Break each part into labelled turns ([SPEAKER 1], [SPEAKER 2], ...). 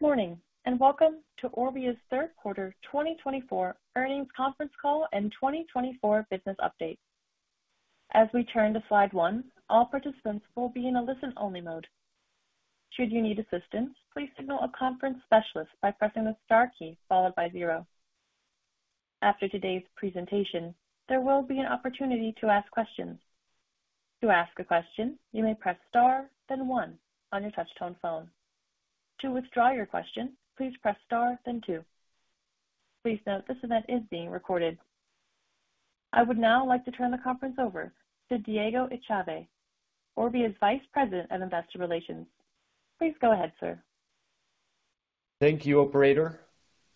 [SPEAKER 1] Good morning, and welcome to Orbia's third quarter twenty twenty-four earnings conference call and twenty twenty-four business update. As we turn to slide one, all participants will be in a listen-only mode. Should you need assistance, please signal a conference specialist by pressing the star key followed by zero. After today's presentation, there will be an opportunity to ask questions. To ask a question, you may press Star, then One on your touchtone phone. To withdraw your question, please press Star, then Two. Please note, this event is being recorded. I would now like to turn the conference over to Diego Echave, Orbia's Vice President of Investor Relations. Please go ahead, sir.
[SPEAKER 2] Thank you, operator.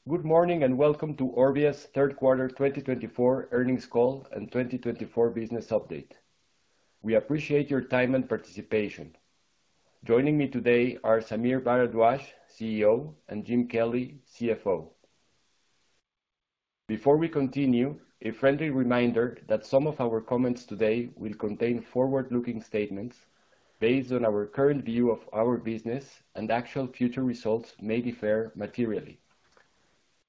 [SPEAKER 2] Good morning, and welcome to Orbia's third quarter twenty twenty-four earnings call and twenty twenty-four business update. We appreciate your time and participation. Joining me today are Sameer Bharadwaj, CEO, and Jim Kelly, CFO. Before we continue, a friendly reminder that some of our comments today will contain forward-looking statements based on our current view of our business, and actual future results may differ materially.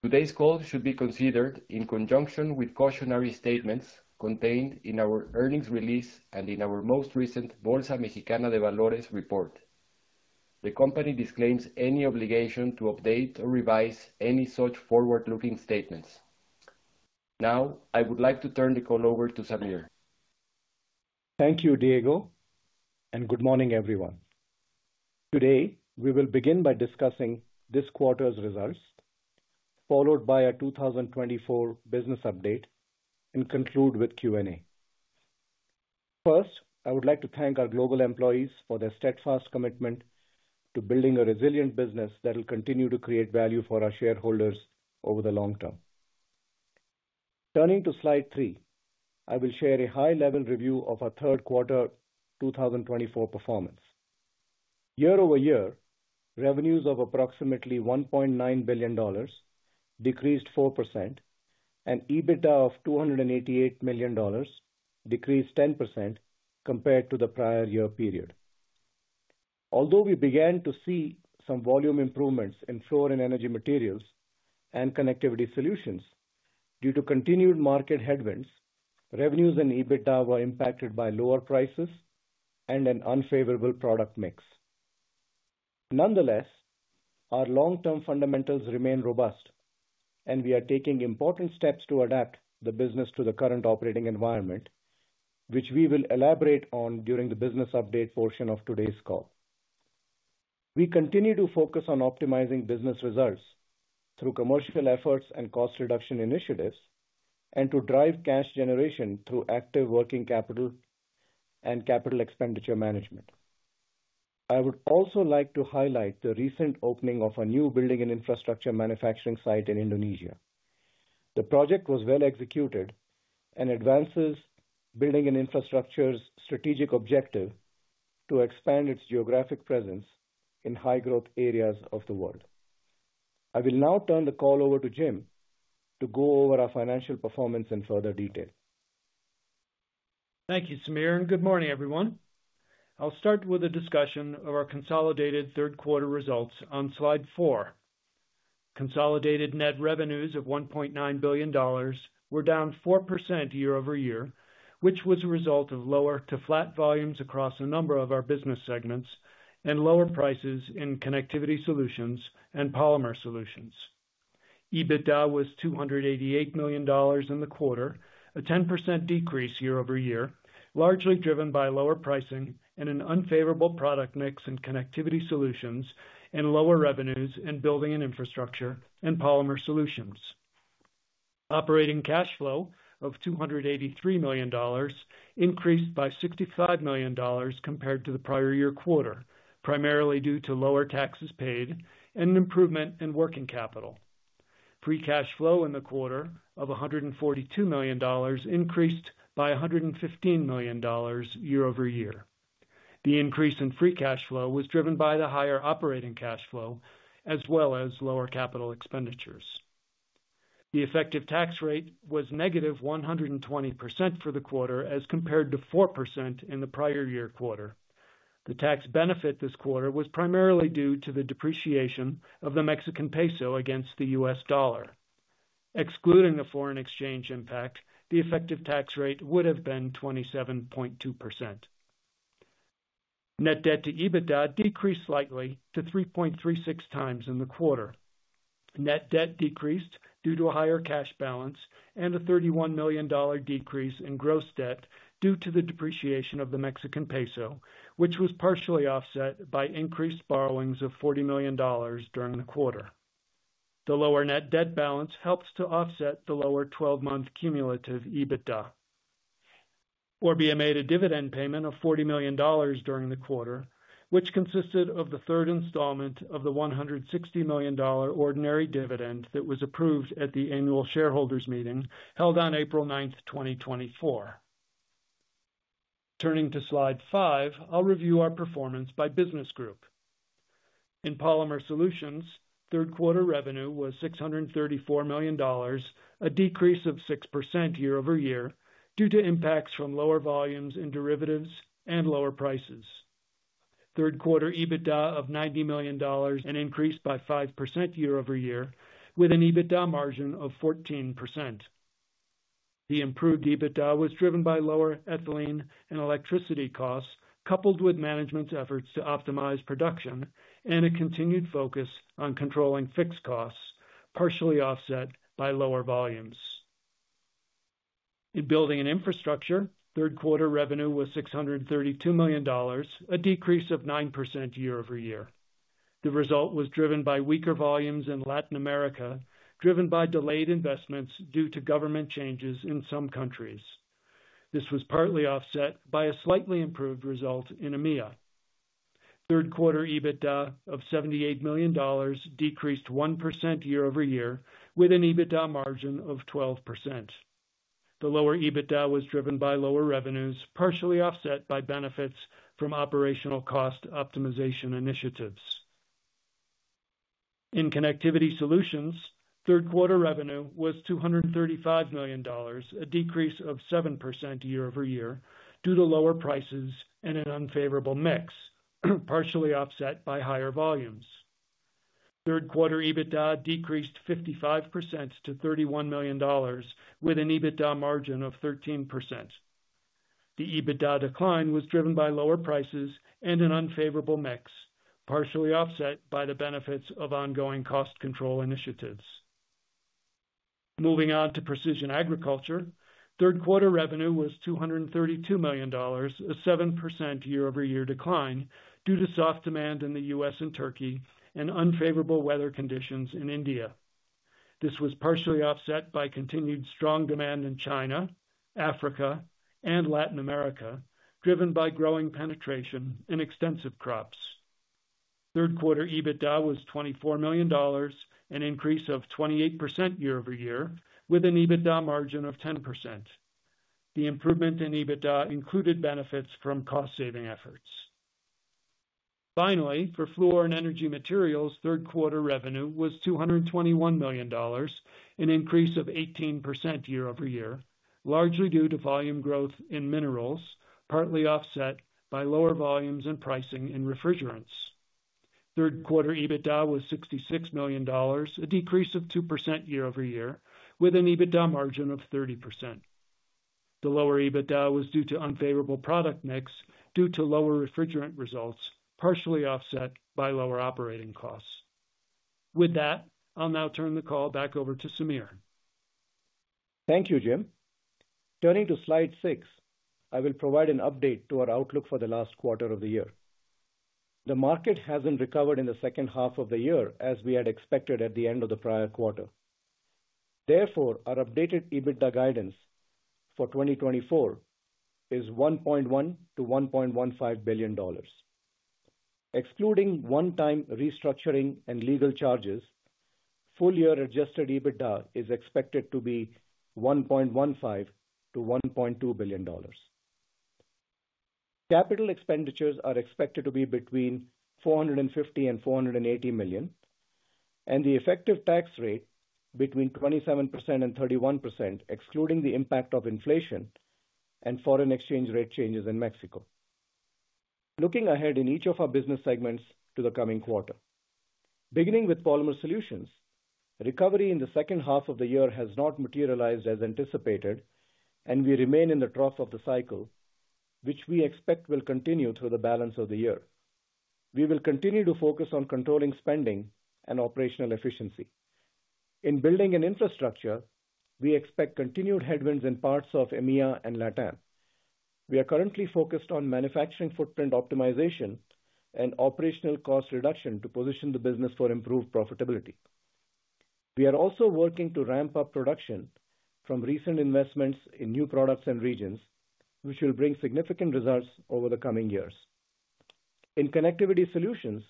[SPEAKER 2] Today's call should be considered in conjunction with cautionary statements contained in our earnings release and in our most recent Bolsa Mexicana de Valores report. The company disclaims any obligation to update or revise any such forward-looking statements. Now, I would like to turn the call over to Sameer.
[SPEAKER 3] Thank you, Diego, and good morning, everyone. Today, we will begin by discussing this quarter's results, followed by our two thousand and twenty-four business update, and conclude with Q&A. First, I would like to thank our global employees for their steadfast commitment to building a resilient business that will continue to create value for our shareholders over the long term. Turning to slide three, I will share a high-level review of our third quarter two thousand and twenty-four performance. Year over year, revenues of approximately $1.9 billion decreased 4% and EBITDA of $288 million decreased 10% compared to the prior year period. Although we began to see some volume improvements in Fluor and Energy Materials and Connectivity Solutions, due to continued market headwinds, revenues and EBITDA were impacted by lower prices and an unfavorable product mix. Nonetheless, our long-term fundamentals remain robust, and we are taking important steps to adapt the business to the current operating environment, which we will elaborate on during the business update portion of today's call. We continue to focus on optimizing business results through commercial efforts and cost reduction initiatives, and to drive cash generation through active working capital and capital expenditure management. I would also like to highlight the recent opening of a new Building & Infrastructure manufacturing site in Indonesia. The project was well executed and advances Building & Infrastructure's strategic objective to expand its geographic presence in high-growth areas of the world. I will now turn the call over to Jim to go over our financial performance in further detail.
[SPEAKER 4] Thank you, Sameer, and good morning, everyone. I'll start with a discussion of our consolidated third quarter results on slide four. Consolidated net revenues of $1.9 billion were down 4% year over year, which was a result of lower to flat volumes across a number of our business segments and lower prices in connectivity solutions and Polymer Solutions. EBITDA was $288 million in the quarter, a 10% decrease year over year, largely driven by lower pricing and an unfavorable product mix in connectivity solutions and lower revenues in Building and Infrastructure and Polymer Solutions. Operating cash flow of $283 million increased by $65 million compared to the prior year quarter, primarily due to lower taxes paid and an improvement in working capital. Free cash flow in the quarter was $142 million, increased by $115 million year over year. The increase in free cash flow was driven by the higher operating cash flow as well as lower capital expenditures. The effective tax rate was negative 120% for the quarter, as compared to 4% in the prior year quarter. The tax benefit this quarter was primarily due to the depreciation of the Mexican peso against the U.S. dollar. Excluding the foreign exchange impact, the effective tax rate would have been 27.2%. Net debt to EBITDA decreased slightly to 3.36 times in the quarter. Net debt decreased due to a higher cash balance and a $31 million decrease in gross debt due to the depreciation of the Mexican peso, which was partially offset by increased borrowings of $40 million during the quarter. The lower net debt balance helps to offset the lower twelve-month cumulative EBITDA. Orbia made a dividend payment of $40 million during the quarter, which consisted of the third installment of the $160 million ordinary dividend that was approved at the annual shareholders meeting, held on April ninth, 2024. Turning to slide five, I'll review our performance by business group. In Polymer Solutions, third quarter revenue was $634 million, a decrease of 6% year over year, due to impacts from lower volumes in derivatives and lower prices.... Third quarter EBITDA of $90 million, an increase by 5% year-over-year, with an EBITDA margin of 14%. The improved EBITDA was driven by lower ethylene and electricity costs, coupled with management's efforts to optimize production and a continued focus on controlling fixed costs, partially offset by lower volumes. In Building and Infrastructure, third quarter revenue was $632 million, a decrease of 9% year-over-year. The result was driven by weaker volumes in Latin America, driven by delayed investments due to government changes in some countries. This was partly offset by a slightly improved result in EMEA. Third quarter EBITDA of $78 million decreased 1% year-over-year, with an EBITDA margin of 12%. The lower EBITDA was driven by lower revenues, partially offset by benefits from operational cost optimization initiatives. In Connectivity Solutions, third quarter revenue was $235 million, a decrease of 7% year-over-year, due to lower prices and an unfavorable mix, partially offset by higher volumes. Third quarter EBITDA decreased 55% to $31 million, with an EBITDA margin of 13%. The EBITDA decline was driven by lower prices and an unfavorable mix, partially offset by the benefits of ongoing cost control initiatives. Moving on to Precision Agriculture. Third quarter revenue was $232 million, a 7% year-over-year decline, due to soft demand in the U.S. and Turkey and unfavorable weather conditions in India. This was partially offset by continued strong demand in China, Africa, and Latin America, driven by growing penetration in extensive crops. Third quarter EBITDA was $24 million, an increase of 28% year-over-year, with an EBITDA margin of 10%. The improvement in EBITDA included benefits from cost-saving efforts. Finally, for Fluor & Energy Materials, third quarter revenue was $221 million, an increase of 18% year-over-year, largely due to volume growth in minerals, partly offset by lower volumes and pricing in refrigerants. Third quarter EBITDA was $66 million, a decrease of 2% year-over-year, with an EBITDA margin of 30%. The lower EBITDA was due to unfavorable product mix, due to lower refrigerant results, partially offset by lower operating costs. With that, I'll now turn the call back over to Sameer.
[SPEAKER 3] Thank you, Jim. Turning to Slide six, I will provide an update to our outlook for the last quarter of the year. The market hasn't recovered in the second half of the year, as we had expected at the end of the prior quarter. Therefore, our updated EBITDA guidance for 2024 is $1.1-$1.15 billion. Excluding one-time restructuring and legal charges, full-year adjusted EBITDA is expected to be $1.15 billion-$1.2 billion. Capital expenditures are expected to be between $450 million and $480 million, and the effective tax rate between 27% and 31%, excluding the impact of inflation and foreign exchange rate changes in Mexico. Looking ahead in each of our business segments to the coming quarter. Beginning with Polymer Solutions, recovery in the second half of the year has not materialized as anticipated, and we remain in the trough of the cycle, which we expect will continue through the balance of the year. We will continue to focus on controlling spending and operational efficiency. In Building and Infrastructure, we expect continued headwinds in parts of EMEA and Latin. We are currently focused on manufacturing footprint optimization and operational cost reduction to position the business for improved profitability. We are also working to ramp up production from recent investments in new products and regions, which will bring significant results over the coming years. In Connectivity Solutions,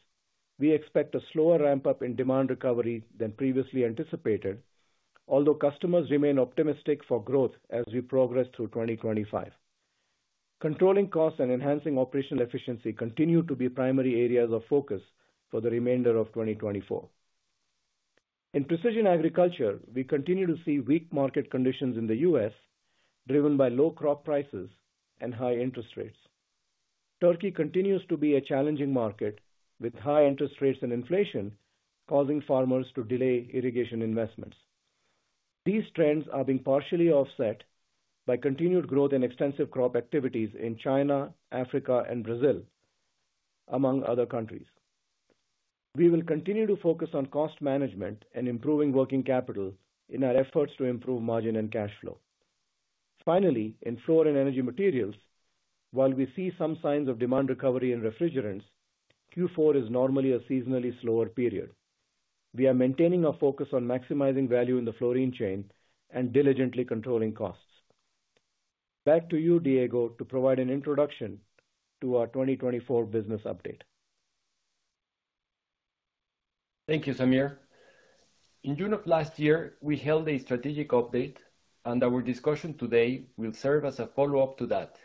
[SPEAKER 3] we expect a slower ramp-up in demand recovery than previously anticipated, although customers remain optimistic for growth as we progress through twenty twenty-five. Controlling costs and enhancing operational efficiency continue to be primary areas of focus for the remainder of 2024. In Precision Agriculture, we continue to see weak market conditions in the U.S., driven by low crop prices and high interest rates. Turkey continues to be a challenging market, with high interest rates and inflation causing farmers to delay irrigation investments. These trends are being partially offset by continued growth in extensive crop activities in China, Africa, and Brazil, among other countries. We will continue to focus on cost management and improving working capital in our efforts to improve margin and cash flow. Finally, in Fluor & Energy Materials, while we see some signs of demand recovery in refrigerants, Q4 is normally a seasonally slower period. We are maintaining our focus on maximizing value in the fluorine chain and diligently controlling costs. Back to you, Diego, to provide an introduction to our 2024 business update.
[SPEAKER 2] Thank you, Sameer. In June of last year, we held a strategic update, and our discussion today will serve as a follow-up to that.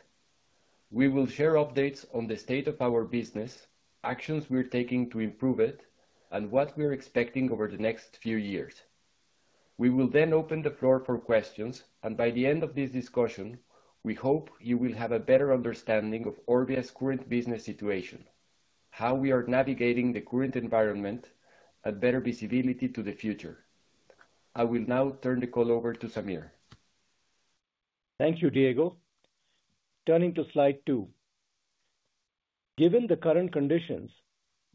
[SPEAKER 2] We will share updates on the state of our business, actions we're taking to improve it, and what we are expecting over the next few years. We will then open the floor for questions, and by the end of this discussion, we hope you will have a better understanding of Orbia's current business situation, how we are navigating the current environment, a better visibility to the future. I will now turn the call over to Sameer.
[SPEAKER 3] Thank you, Diego. Turning to slide two. Given the current conditions,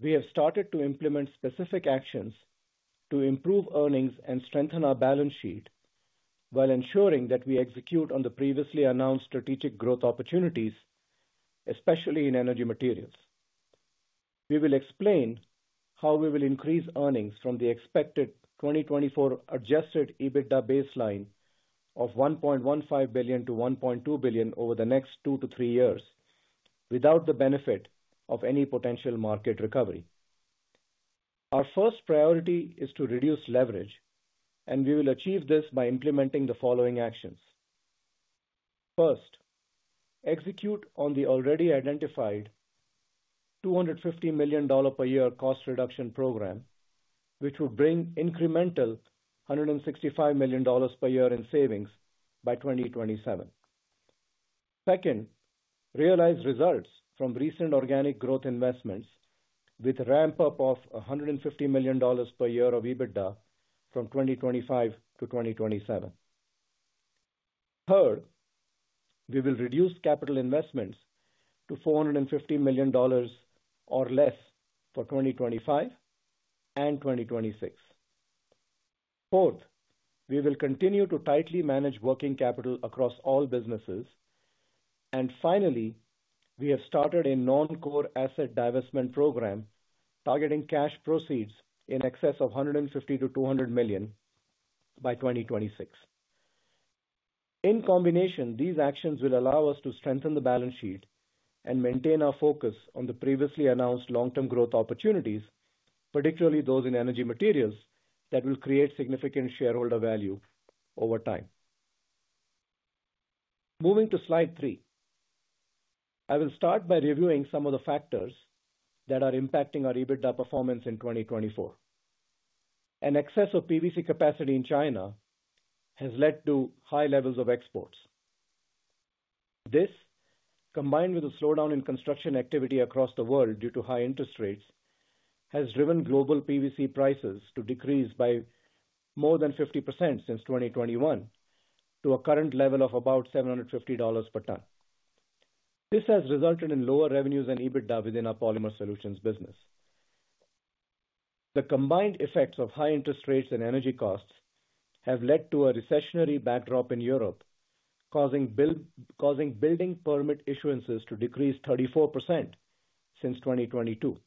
[SPEAKER 3] we have started to implement specific actions to improve earnings and strengthen our balance sheet, while ensuring that we execute on the previously announced strategic growth opportunities, especially in energy materials. We will explain how we will increase earnings from the expected 2024 adjusted EBITDA baseline of $1.15 billion to $1.2 billion over the next 2 to 3 years, without the benefit of any potential market recovery. Our first priority is to reduce leverage, and we will achieve this by implementing the following actions. First, execute on the already identified $250 million per year cost reduction program, which will bring incremental $165 million per year in savings by 2027. Second, realize results from recent organic growth investments with a ramp-up of $150 million per year of EBITDA from 2025 to 2027. Third, we will reduce capital investments to $450 million or less for 2025 and 2026. Fourth, we will continue to tightly manage working capital across all businesses. And finally, we have started a non-core asset divestment program, targeting cash proceeds in excess of $150-$200 million by 2026. In combination, these actions will allow us to strengthen the balance sheet and maintain our focus on the previously announced long-term growth opportunities, particularly those in energy materials, that will create significant shareholder value over time. Moving to slide three. I will start by reviewing some of the factors that are impacting our EBITDA performance in 2024. An excess of PVC capacity in China has led to high levels of exports. This, combined with a slowdown in construction activity across the world due to high interest rates, has driven global PVC prices to decrease by more than 50% since 2021, to a current level of about $750 per ton. This has resulted in lower revenues and EBITDA within our Polymer Solutions business. The combined effects of high interest rates and energy costs have led to a recessionary backdrop in Europe, causing building permit issuances to decrease 34% since 2022.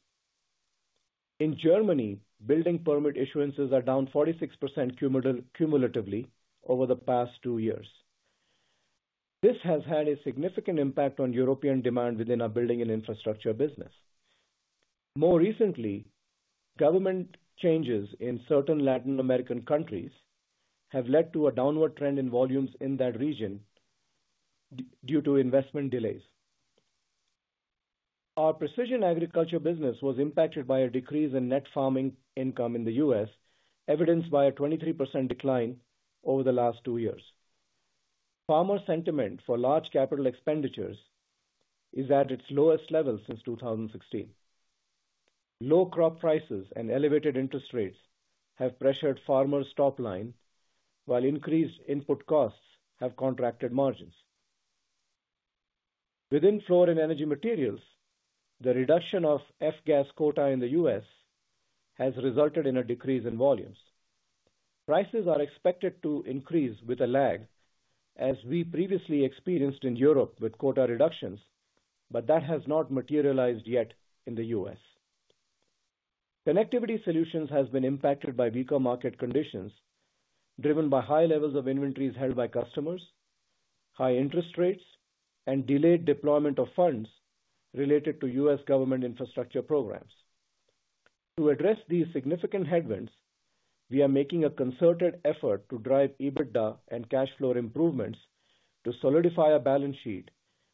[SPEAKER 3] In Germany, building permit issuances are down 46% cumulatively over the past two years. This has had a significant impact on European demand within our Building and Infrastructure business. More recently, government changes in certain Latin American countries have led to a downward trend in volumes in that region due to investment delays. Our Precision Agriculture business was impacted by a decrease in net farming income in the U.S., evidenced by a 23% decline over the last two years. Farmer sentiment for large capital expenditures is at its lowest level since 2016. Low crop prices and elevated interest rates have pressured farmers' top line, while increased input costs have contracted margins. Within Fluor & Energy Materials, the reduction of F-gas quota in the U.S. has resulted in a decrease in volumes. Prices are expected to increase with a lag, as we previously experienced in Europe with quota reductions, but that has not materialized yet in the U.S. Connectivity Solutions has been impacted by weaker market conditions, driven by high levels of inventories held by customers, high interest rates, and delayed deployment of funds related to U.S. government infrastructure programs. To address these significant headwinds, we are making a concerted effort to drive EBITDA and cash flow improvements to solidify our balance sheet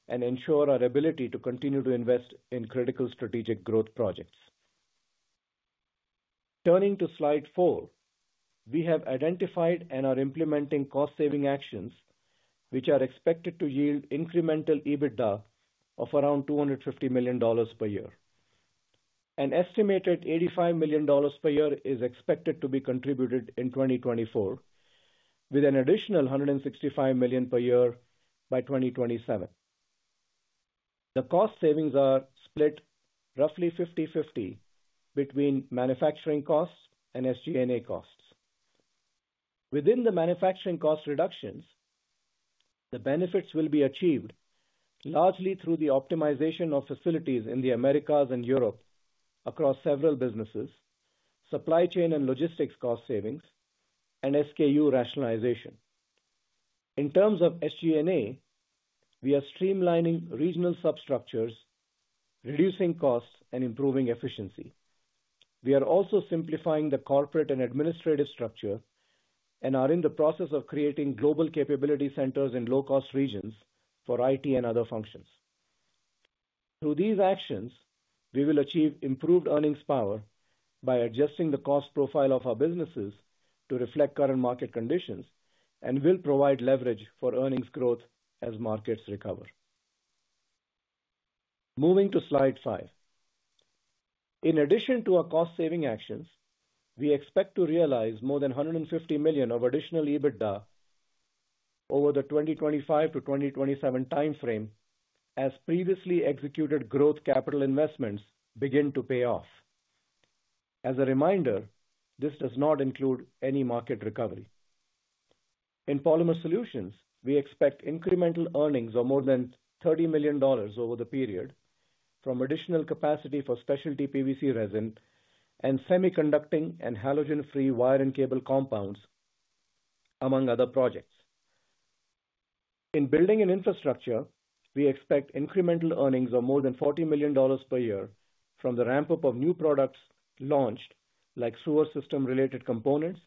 [SPEAKER 3] and ensure our ability to continue to invest in critical strategic growth projects. Turning to slide four. We have identified and are implementing cost-saving actions, which are expected to yield incremental EBITDA of around $250 million per year. An estimated $85 million per year is expected to be contributed in 2024, with an additional $165 million per year by 2027. The cost savings are split roughly fifty/fifty between manufacturing costs and SG&A costs. Within the manufacturing cost reductions, the benefits will be achieved largely through the optimization of facilities in the Americas and Europe across several businesses, supply chain and logistics cost savings, and SKU rationalization. In terms of SG&A, we are streamlining regional substructures, reducing costs, and improving efficiency. We are also simplifying the corporate and administrative structure and are in the process of creating global capability centers in low-cost regions for IT and other functions. Through these actions, we will achieve improved earnings power by adjusting the cost profile of our businesses to reflect current market conditions, and will provide leverage for earnings growth as markets recover. Moving to slide five. In addition to our cost-saving actions, we expect to realize more than $150 million of additional EBITDA over the 2025 to 2027 time frame, as previously executed growth capital investments begin to pay off. As a reminder, this does not include any market recovery. In Polymer Solutions, we expect incremental earnings of more than $30 million over the period, from additional capacity for specialty PVC resin and semiconducting and halogen-free wire and cable compounds, among other projects. In Building and Infrastructure, we expect incremental earnings of more than $40 million per year from the ramp-up of new products launched, like sewer system-related components,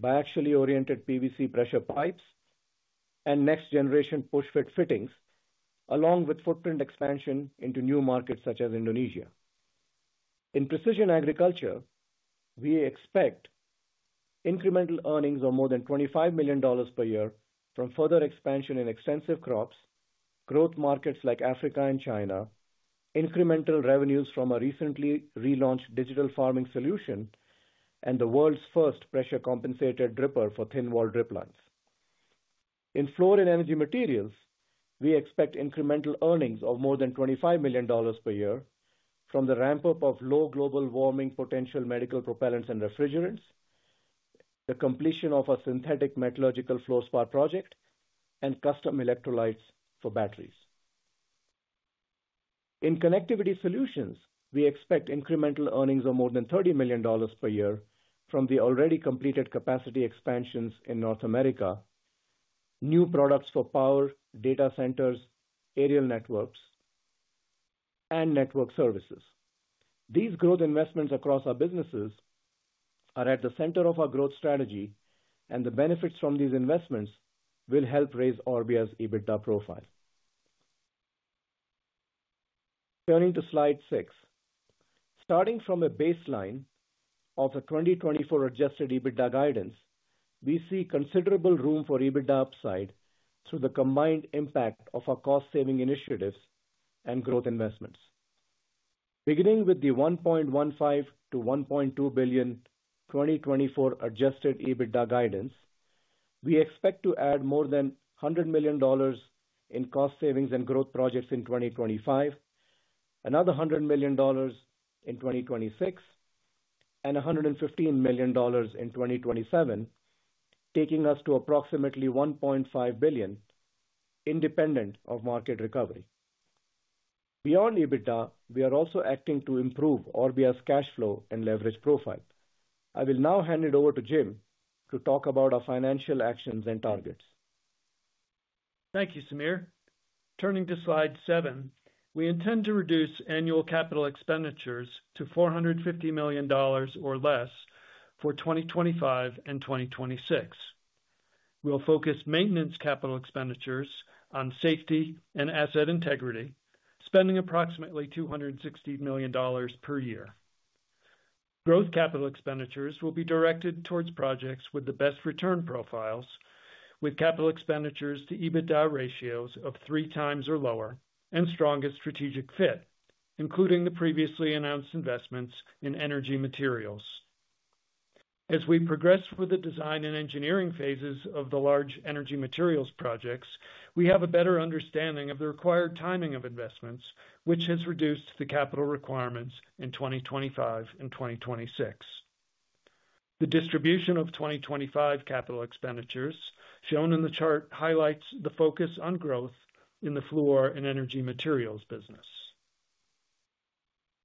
[SPEAKER 3] biaxially oriented PVC pressure pipes, and next-generation push-fit fittings, along with footprint expansion into new markets such as Indonesia. In Precision Agriculture, we expect incremental earnings of more than $25 million per year from further expansion in extensive crops, growth markets like Africa and China, incremental revenues from a recently relaunched digital farming solution, and the world's first pressure-compensated dripper for thin wall drip lines. In Fluor and Energy Materials, we expect incremental earnings of more than $25 million per year from the ramp-up of low global warming potential medical propellants and refrigerants, the completion of a synthetic metallurgical fluorspar project, and custom electrolytes for batteries. In Connectivity Solutions, we expect incremental earnings of more than $30 million per year from the already completed capacity expansions in North America, new products for power, data centers, aerial networks, and network services. These growth investments across our businesses are at the center of our growth strategy, and the benefits from these investments will help raise Orbia's EBITDA profile. Turning to slide 6. Starting from a baseline of a 2024 adjusted EBITDA guidance, we see considerable room for EBITDA upside through the combined impact of our cost-saving initiatives and growth investments. Beginning with the $1.15-$1.2 billion 2024 adjusted EBITDA guidance, we expect to add more than $100 million in cost savings and growth projects in 2025, another $100 million in 2026, and $115 million in 2027, taking us to approximately $1.5 billion, independent of market recovery. Beyond EBITDA, we are also acting to improve Orbia's cash flow and leverage profile. I will now hand it over to Jim to talk about our financial actions and targets.
[SPEAKER 4] Thank you, Sameer. Turning to slide seven. We intend to reduce annual capital expenditures to $450 million or less for 2025 and 2026. We'll focus maintenance capital expenditures on safety and asset integrity, spending approximately $260 million per year. Growth capital expenditures will be directed towards projects with the best return profiles, with capital expenditures to EBITDA ratios of three times or lower and strongest strategic fit, including the previously announced investments in energy materials. As we progress with the design and engineering phases of the large energy materials projects, we have a better understanding of the required timing of investments, which has reduced the capital requirements in 2025 and 2026. The distribution of 2025 capital expenditures, shown in the chart, highlights the focus on growth in the Fluor and Energy Materials business.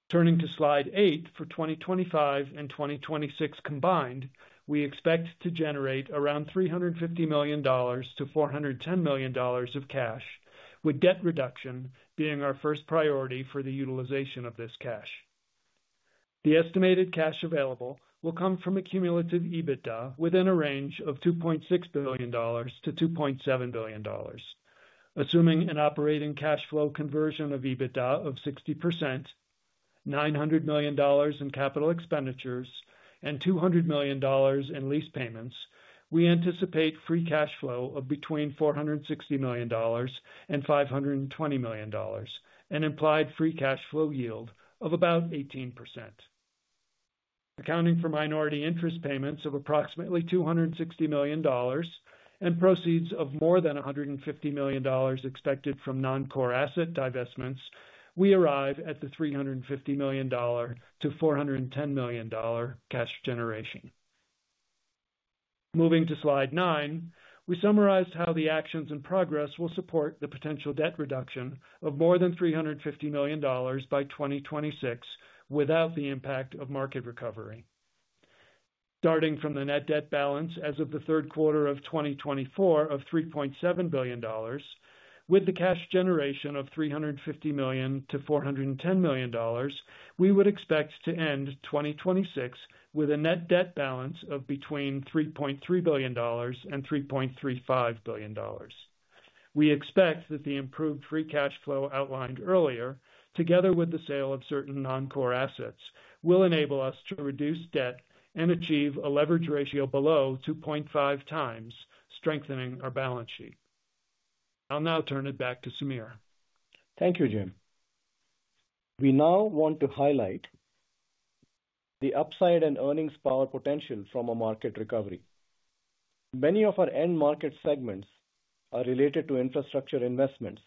[SPEAKER 4] Turning to slide 8, for 2025 and 2026 combined, we expect to generate around $350 million-$410 million of cash, with debt reduction being our first priority for the utilization of this cash. The estimated cash available will come from a cumulative EBITDA within a range of $2.6 billion-$2.7 billion. Assuming an operating cash flow conversion of EBITDA of 60%, $900 million in capital expenditures, and $200 million in lease payments, we anticipate free cash flow of between $460 million and $520 million, an implied free cash flow yield of about 18%. Accounting for minority interest payments of approximately $260 million and proceeds of more than $150 million expected from non-core asset divestments, we arrive at the $350 million-$410 million cash generation. Moving to slide nine, we summarized how the actions and progress will support the potential debt reduction of more than $350 million by 2026 without the impact of market recovery. Starting from the net debt balance as of the third quarter of 2024 of $3.7 billion, with the cash generation of $350 million-$410 million, we would expect to end 2026 with a net debt balance of between $3.3 billion and $3.35 billion. We expect that the improved free cash flow outlined earlier, together with the sale of certain non-core assets, will enable us to reduce debt and achieve a leverage ratio below 2.5 times, strengthening our balance sheet. I'll now turn it back to Sameer.
[SPEAKER 3] Thank you, Jim. We now want to highlight the upside and earnings power potential from a market recovery. Many of our end market segments are related to infrastructure investments,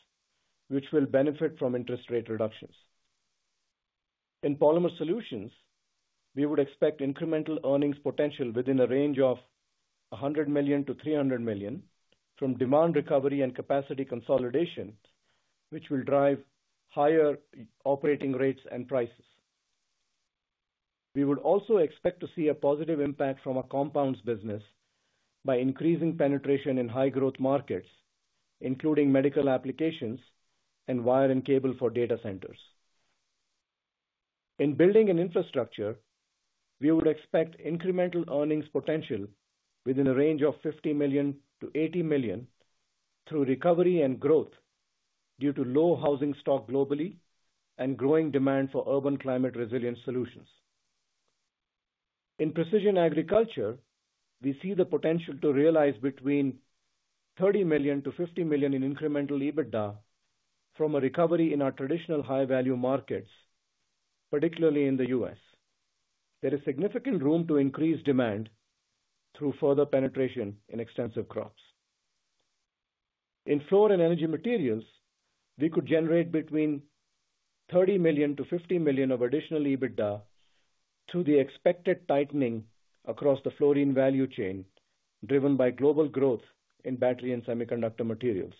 [SPEAKER 3] which will benefit from interest rate reductions. In Polymer Solutions, we would expect incremental earnings potential within a range of $100 million to $300 million from demand recovery and capacity consolidation, which will drive higher operating rates and prices. We would also expect to see a positive impact from our compounds business by increasing penetration in high growth markets, including medical applications and wire and cable for data centers. In Building and Infrastructure, we would expect incremental earnings potential within a range of $50 million-$80 million through recovery and growth, due to low housing stock globally and growing demand for urban climate resilience solutions. In Precision Agriculture, we see the potential to realize between $30 million to $50 million in incremental EBITDA from a recovery in our traditional high-value markets, particularly in the U.S. There is significant room to increase demand through further penetration in extensive crops. In Fluor & Energy Materials, we could generate between $30 million to $50 million of additional EBITDA through the expected tightening across the fluorine value chain, driven by global growth in battery and semiconductor materials.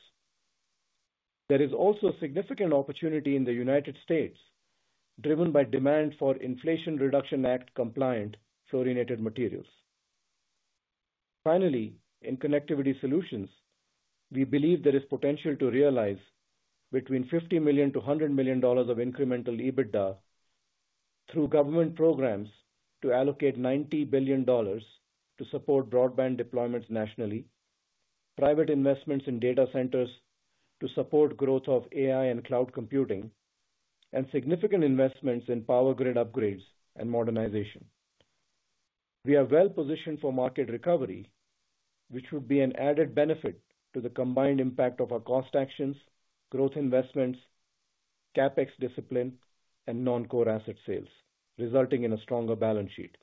[SPEAKER 3] There is also significant opportunity in the United States, driven by demand for Inflation Reduction Act compliant fluorinated materials. Finally, in Connectivity Solutions, we believe there is potential to realize between $50 million to $100 million of incremental EBITDA through government programs to allocate $90 billion to support broadband deployments nationally, private investments in data centers to support growth of AI and cloud computing, and significant investments in power grid upgrades and modernization. We are well positioned for market recovery, which would be an added benefit to the combined impact of our cost actions, growth investments, CapEx discipline, and non-core asset sales, resulting in a stronger balance sheet.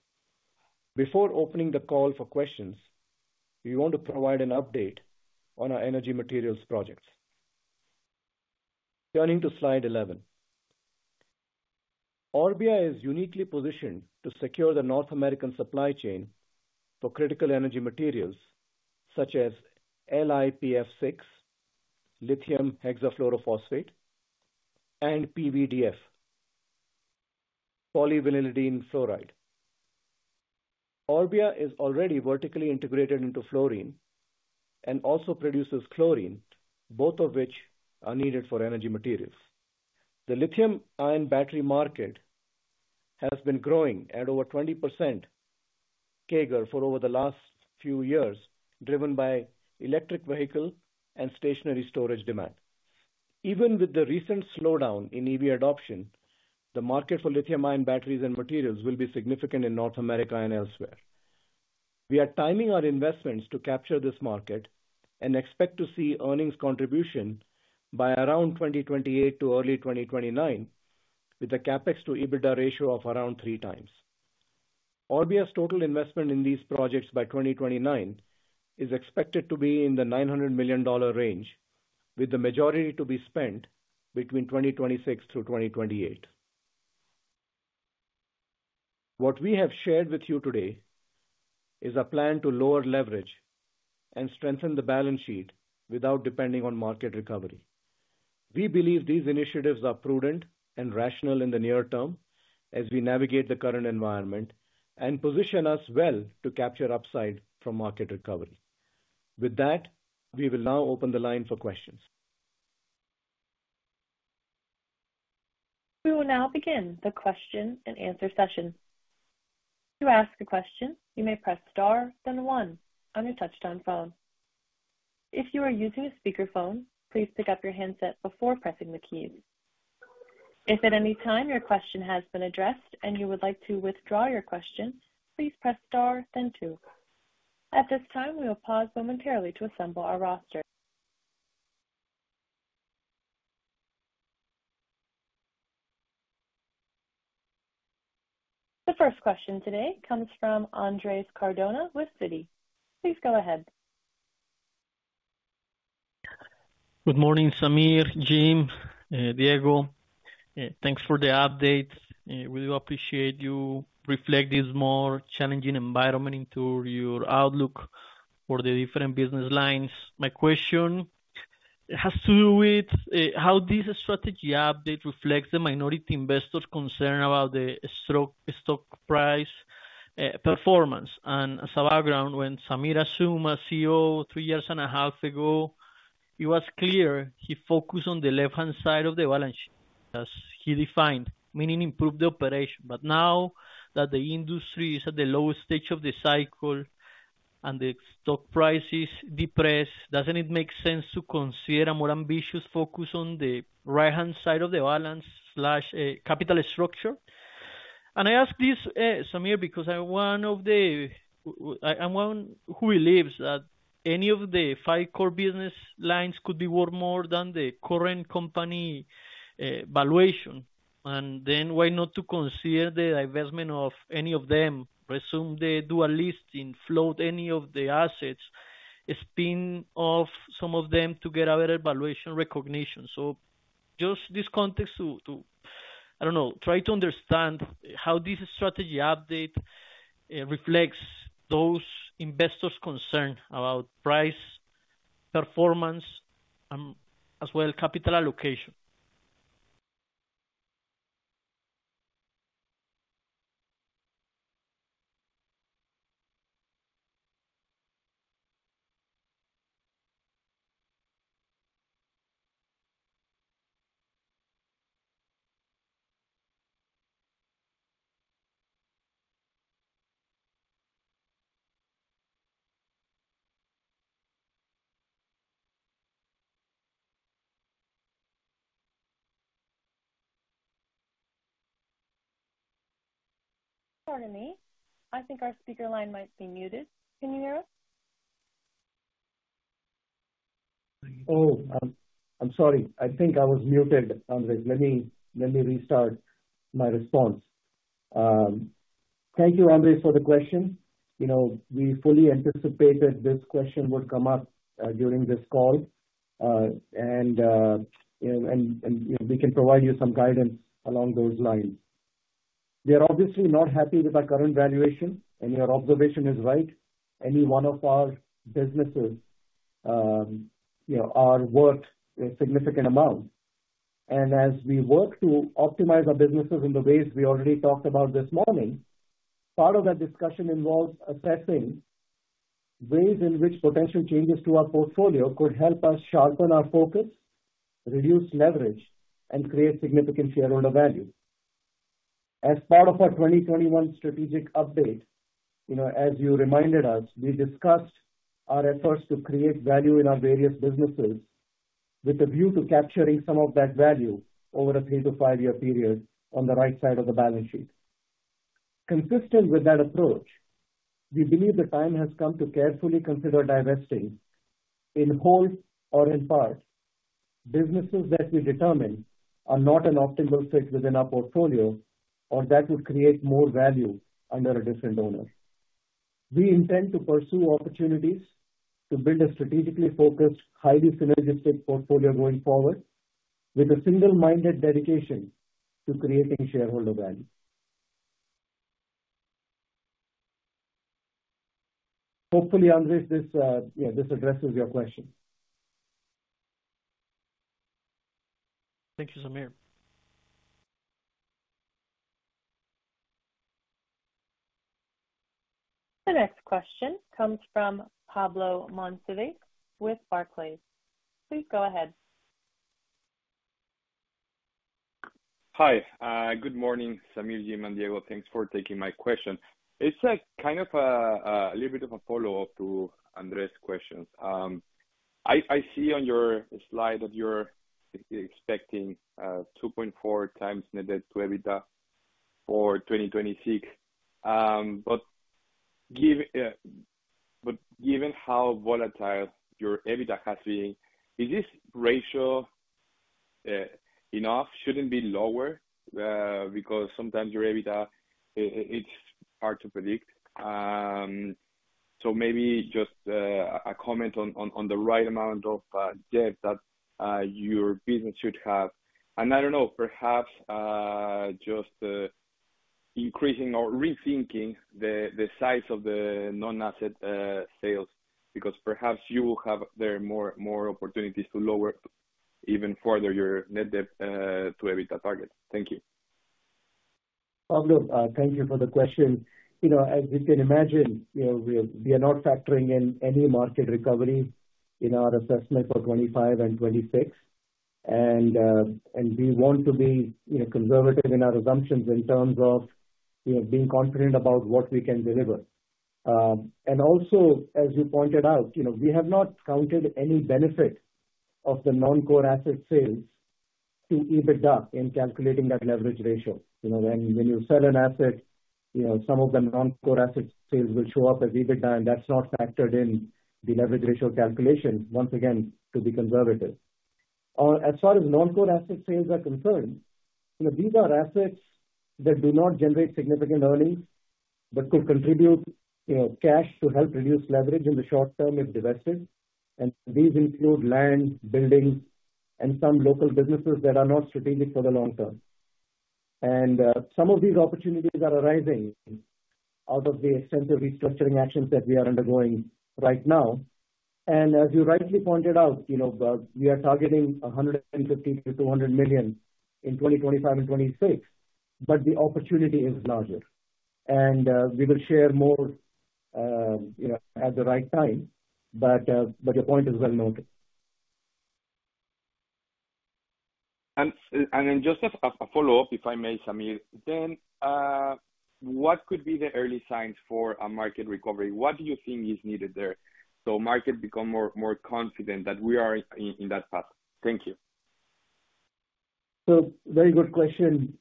[SPEAKER 3] Before opening the call for questions, we want to provide an update on our energy materials projects. Turning to slide 11. Orbia is uniquely positioned to secure the North American supply chain for critical energy materials such as LiPF6, lithium hexafluorophosphate, and PVDF, polyvinylidene fluoride. Orbia is already vertically integrated into fluorine and also produces chlorine, both of which are needed for energy materials. The lithium-ion battery market has been growing at over 20% CAGR for over the last few years, driven by electric vehicle and stationary storage demand. Even with the recent slowdown in EV adoption, the market for lithium-ion batteries and materials will be significant in North America and elsewhere. We are timing our investments to capture this market and expect to see earnings contribution by around 2028 to early 2029, with a CapEx to EBITDA ratio of around three times. Orbia's total investment in these projects by 2029 is expected to be in the $900 million range, with the majority to be spent between 2026 through 2028. What we have shared with you today is a plan to lower leverage and strengthen the balance sheet without depending on market recovery. We believe these initiatives are prudent and rational in the near term as we navigate the current environment and position us well to capture upside from market recovery. With that, we will now open the line for questions.
[SPEAKER 1] We will now begin the question and answer session. To ask a question, you may press star, then one on your touchtone phone. If you are using a speakerphone, please pick up your handset before pressing the key. If at any time your question has been addressed and you would like to withdraw your question, please press star then two. At this time, we will pause momentarily to assemble our roster. The first question today comes from Andres Cardona with Citi. Please go ahead.
[SPEAKER 5] Good morning, Sameer, Jim, Diego. Thanks for the update. We do appreciate you reflecting this more challenging environment into your outlook for the different business lines. My question has to do with how this strategy update reflects the minority investors' concern about the stock price performance. And as a background, when Sameer assumed as CEO three years and a half ago, it was clear he focused on the left-hand side of the balance sheet, as he defined, meaning improve the operation. But now that the industry is at the lowest stage of the cycle and the stock price is depressed, doesn't it make sense to consider a more ambitious focus on the right-hand side of the balance sheet, capital structure? And I ask this, Sameer, because I'm one who believes that any of the five core business lines could be worth more than the current company valuation. And then why not to consider the divestment of any of them, presume they do a listing, float any of the assets, spin off some of them to get a better valuation recognition? So just this context to, I don't know, try to understand how this strategy update reflects those investors' concern about price, performance, as well, capital allocation.
[SPEAKER 1] Pardon me. I think our speaker line might be muted. Can you hear us?
[SPEAKER 3] Oh, I'm sorry. I think I was muted, Andrés. Let me restart my response. Thank you, Andrés, for the question. You know, we fully anticipated this question would come up during this call. And we can provide you some guidance along those lines. We are obviously not happy with our current valuation, and your observation is right. Any one of our businesses, you know, are worth a significant amount. And as we work to optimize our businesses in the ways we already talked about this morning, part of that discussion involves assessing ways in which potential changes to our portfolio could help us sharpen our focus, reduce leverage, and create significant shareholder value. As part of our 2021 strategic update, you know, as you reminded us, we discussed our efforts to create value in our various businesses with a view to capturing some of that value over a three to five-year period on the right side of the balance sheet. Consistent with that approach, we believe the time has come to carefully consider divesting, in whole or in part, businesses that we determine are not an optimal fit within our portfolio or that would create more value under a different owner. We intend to pursue opportunities to build a strategically focused, highly synergistic portfolio going forward, with a single-minded dedication to creating shareholder value. Hopefully, Andres, this addresses your question.
[SPEAKER 5] Thank you, Sameer.
[SPEAKER 1] The next question comes from Pablo Monsivais with Barclays. Please go ahead.
[SPEAKER 6] Hi, good morning, Sameer, Jim, and Diego. Thanks for taking my question. It's like kind of a little bit of a follow-up to Andres' question. I see on your slide that you're expecting 2.4 times net debt to EBITDA for 2026. But given how volatile your EBITDA has been, is this ratio enough? Shouldn't it be lower because sometimes your EBITDA, it's hard to predict. So maybe just a comment on the right amount of debt that your business should have. And I don't know, perhaps just increasing or rethinking the size of the non-asset sales, because perhaps you will have there more opportunities to lower even further your net debt to EBITDA target. Thank you.
[SPEAKER 3] Pablo, thank you for the question. You know, as you can imagine, you know, we are not factoring in any market recovery in our assessment for 2025 and 2026. And we want to be, you know, conservative in our assumptions in terms of, you know, being confident about what we can deliver. And also, as you pointed out, you know, we have not counted any benefit of the non-core asset sales to EBITDA in calculating that leverage ratio. You know, when you sell an asset, you know, some of the non-core asset sales will show up as EBITDA, and that's not factored in the leverage ratio calculation, once again, to be conservative. As far as non-core asset sales are concerned, you know, these are assets that do not generate significant earnings, but could contribute, you know, cash to help reduce leverage in the short term if divested. These include land, buildings, and some local businesses that are not strategic for the long term. Some of these opportunities are arising out of the extensive restructuring actions that we are undergoing right now. As you rightly pointed out, you know, we are targeting 150-200 million in 2025 and 2026, but the opportunity is larger. We will share more, you know, at the right time, but your point is well noted.
[SPEAKER 6] Then, just as a follow-up, if I may, Sameer, then what could be the early signs for a market recovery? What do you think is needed there, so market become more confident that we are in that path? Thank you.
[SPEAKER 3] Very good question,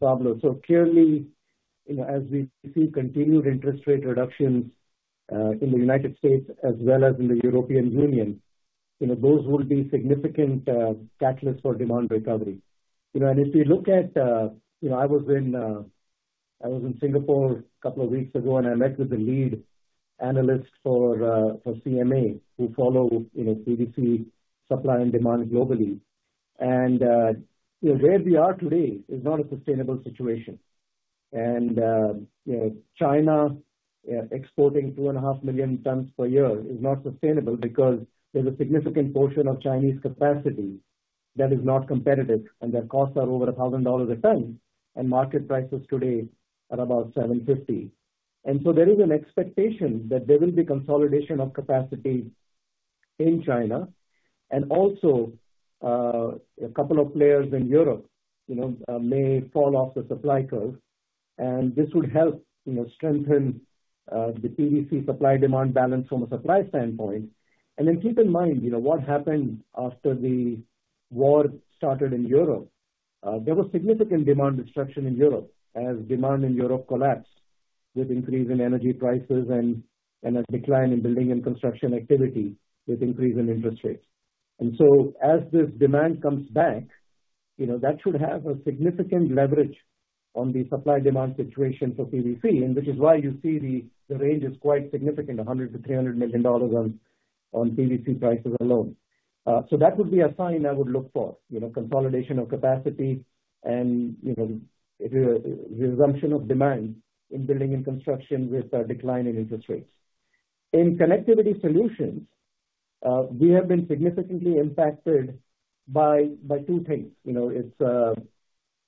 [SPEAKER 3] Pablo. Clearly, you know, as we see continued interest rate reductions in the United States as well as in the European Union, you know, those will be significant catalysts for demand recovery. You know, and if you look at, you know, I was in Singapore a couple of weeks ago, and I met with the lead analyst for CMA, who follow, you know, PVC supply and demand globally. And, you know, where we are today is not a sustainable situation. And, you know, China exporting 2.5 million tons per year is not sustainable because there's a significant portion of Chinese capacity that is not competitive, and their costs are over $1,000 a ton, and market prices today are about $750. And so there is an expectation that there will be consolidation of capacity in China and also, a couple of players in Europe, you know, may fall off the supply curve. And this would help, you know, strengthen the PVC supply-demand balance from a supply standpoint. And then keep in mind, you know, what happened after the war started in Europe. There was significant demand destruction in Europe as demand in Europe collapsed, with increase in energy prices and a decline in building and construction activity, with increase in interest rates. And so as this demand comes back, you know, that should have a significant leverage on the supply-demand situation for PVC, and which is why you see the range is quite significant, $100-$300 million on PVC prices alone. So that would be a sign I would look for, you know, consolidation of capacity and, you know, the resumption of demand in building and construction with a decline in interest rates. In Connectivity Solutions, we have been significantly impacted by two things. You know, it's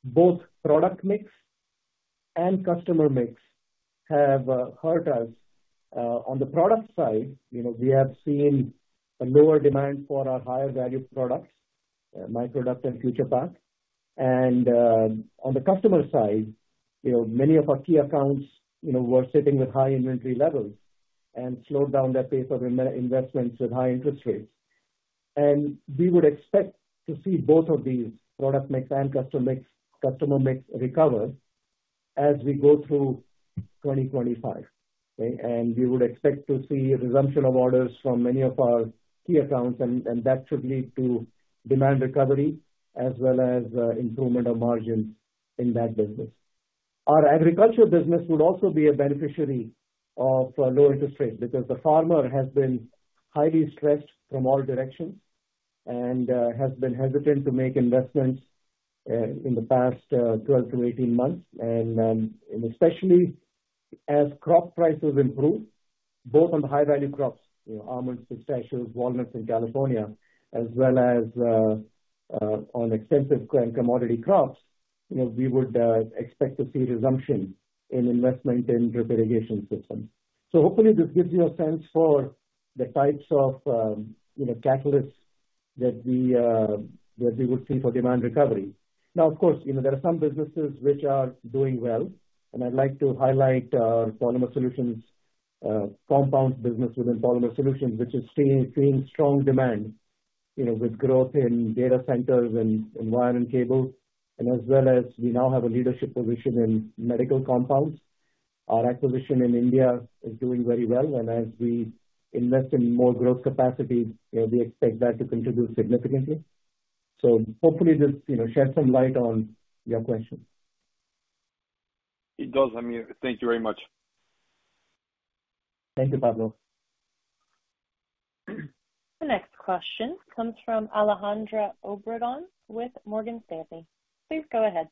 [SPEAKER 3] both product mix and customer mix have hurt us. On the product side, you know, we have seen a lower demand for our higher value products, MicroDuct and FuturePath. And, on the customer side, you know, many of our key accounts, you know, were sitting with high inventory levels and slowed down their pace of investments with high interest rates. And we would expect to see both of these product mix and customer mix recover as we go through twenty twenty-five, okay? We would expect to see a resumption of orders from many of our key accounts, and that should lead to demand recovery as well as improvement of margins in that business. Our agriculture business would also be a beneficiary of low interest rates, because the farmer has been highly stressed from all directions and has been hesitant to make investments in the past 12 months to 18 months. Especially as crop prices improve, both on the high-value crops, you know, almonds, pistachios, walnuts in California, as well as on extensive grain commodity crops, you know, we would expect to see resumption in investment in drip irrigation systems. Hopefully this gives you a sense for the types of, you know, catalysts that we would see for demand recovery. Now, of course, you know, there are some businesses which are doing well, and I'd like to highlight Polymer Solutions compounds business within Polymer Solutions, which is seeing strong demand, you know, with growth in data centers and in wire and cable, and as well as we now have a leadership position in medical compounds. Our acquisition in India is doing very well, and as we invest in more growth capacity, we expect that to contribute significantly, so hopefully this, you know, sheds some light on your question.
[SPEAKER 6] It does, Sameer. Thank you very much.
[SPEAKER 3] Thank you, Pablo.
[SPEAKER 1] The next question comes from Alejandra Obregon, with Morgan Stanley. Please go ahead.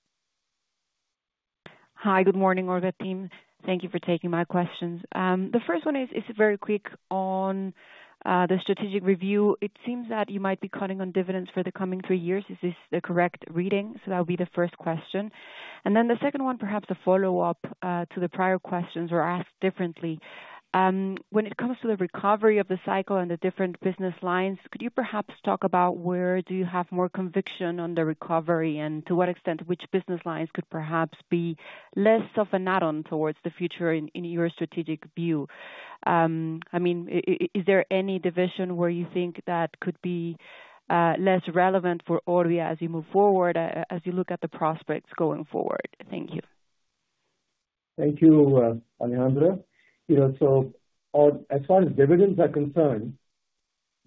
[SPEAKER 7] Hi, good morning, Orbia team. Thank you for taking my questions. The first one is very quick on the strategic review. It seems that you might be cutting on dividends for the coming three years. Is this the correct reading? So that would be the first question. And then the second one, perhaps a follow-up to the prior questions or asked differently. When it comes to the recovery of the cycle and the different business lines, could you perhaps talk about where do you have more conviction on the recovery, and to what extent, which business lines could perhaps be less of an add-on towards the future in your strategic view? I mean, is there any division where you think that could be less relevant for Orbia as you move forward, as you look at the prospects going forward? Thank you.
[SPEAKER 3] Thank you, Alejandra. You know, as far as dividends are concerned,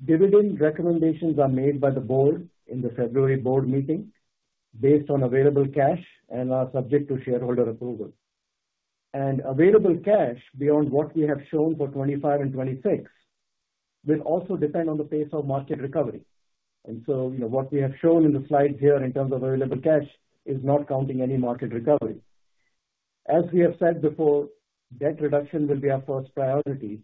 [SPEAKER 3] dividend recommendations are made by the board in the February board meeting, based on available cash and are subject to shareholder approval. Available cash, beyond what we have shown for 2025 and 2026, will also depend on the pace of market recovery. So, you know, what we have shown in the slides here in terms of available cash is not counting any market recovery. As we have said before, debt reduction will be our first priority,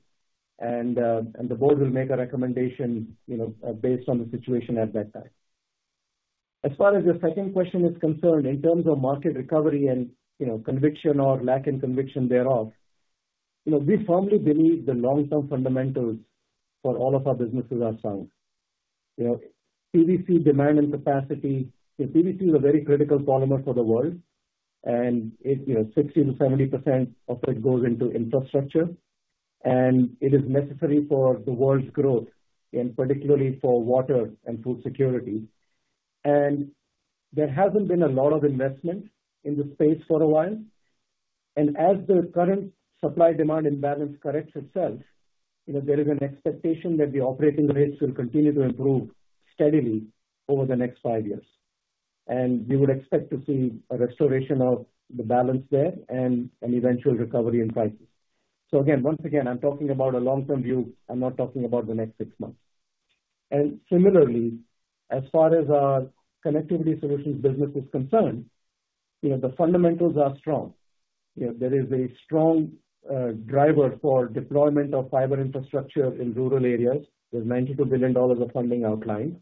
[SPEAKER 3] and the board will make a recommendation, you know, based on the situation at that time. As far as your second question is concerned, in terms of market recovery and, you know, conviction or lack in conviction thereof, you know, we firmly believe the long-term fundamentals for all of our businesses are sound. You know, PVC demand and capacity. You know, PVC is a very critical polymer for the world, and it, you know, 60% to 70% of it goes into infrastructure, and it is necessary for the world's growth, and particularly for water and food security, and there hasn't been a lot of investment in this space for a while, and as the current supply-demand imbalance corrects itself, you know, there is an expectation that the operating rates will continue to improve steadily over the next five years, and we would expect to see a restoration of the balance there and an eventual recovery in prices, so again, once again, I'm talking about a long-term view. I'm not talking about the next six months, and similarly, as far as our Connectivity Solutions business is concerned, you know, the fundamentals are strong. You know, there is a strong driver for deployment of fiber infrastructure in rural areas. There's $92 billion of funding outlined.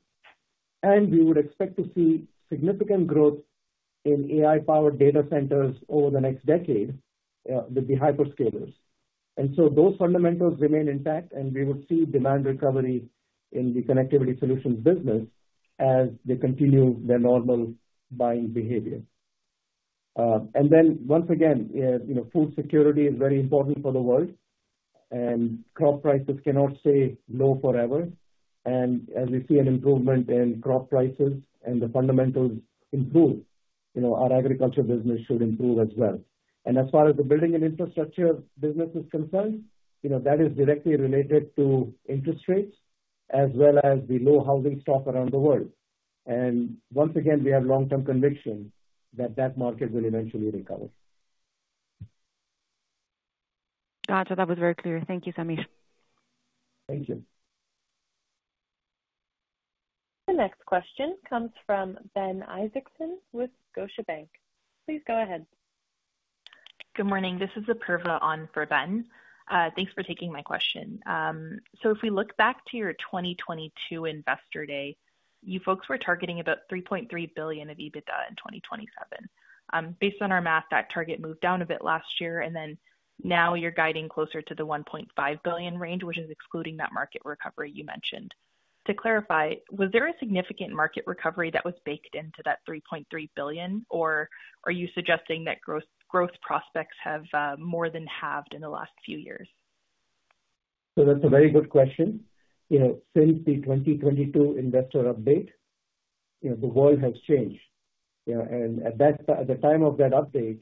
[SPEAKER 3] And we would expect to see significant growth in AI-powered data centers over the next decade with the hyperscalers. And so those fundamentals remain intact, and we would see demand recovery in the Connectivity Solutions business as they continue their normal buying behavior. And then once again, you know, food security is very important for the world, and crop prices cannot stay low forever. And as we see an improvement in crop prices and the fundamentals improve, you know, our agriculture business should improve as well. And as far as the Building and Infrastructure business is concerned, you know, that is directly related to interest rates as well as the low housing stock around the world. Once again, we have long-term conviction that the market will eventually recover.
[SPEAKER 8] Gotcha. That was very clear. Thank you, Sameer.
[SPEAKER 3] Thank you.
[SPEAKER 1] The next question comes from Ben Isaacson with Scotiabank. Please go ahead.
[SPEAKER 9] Good morning. This is Apurva on for Ben. Thanks for taking my question, so if we look back to your 2022 Investor Day, you folks were targeting about $3.3 billion of EBITDA in 2027. Based on our math, that target moved down a bit last year, and then now you're guiding closer to the $1.5 billion range, which is excluding that market recovery you mentioned. To clarify, was there a significant market recovery that was baked into that $3.3 billion, or are you suggesting that growth prospects have more than halved in the last few years?
[SPEAKER 3] That's a very good question. You know, since the 2022 investor update, you know, the world has changed. You know, and at the time of that update,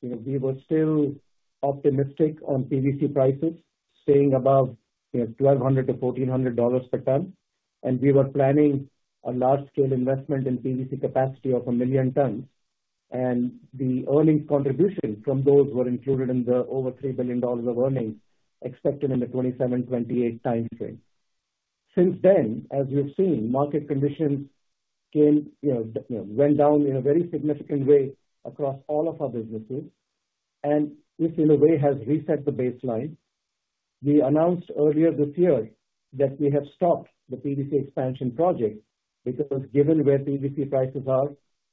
[SPEAKER 3] you know, we were still optimistic on PVC prices, staying above, you know, $1,200-$1,400 per ton. And we were planning a large-scale investment in PVC capacity of a million tons, and the earnings contribution from those were included in the over $3 billion of earnings expected in the 2027-2028 time frame. Since then, as you've seen, market conditions came down, you know, in a very significant way across all of our businesses, and this, in a way, has reset the baseline. We announced earlier this year that we have stopped the PVC expansion project because given where PVC prices are,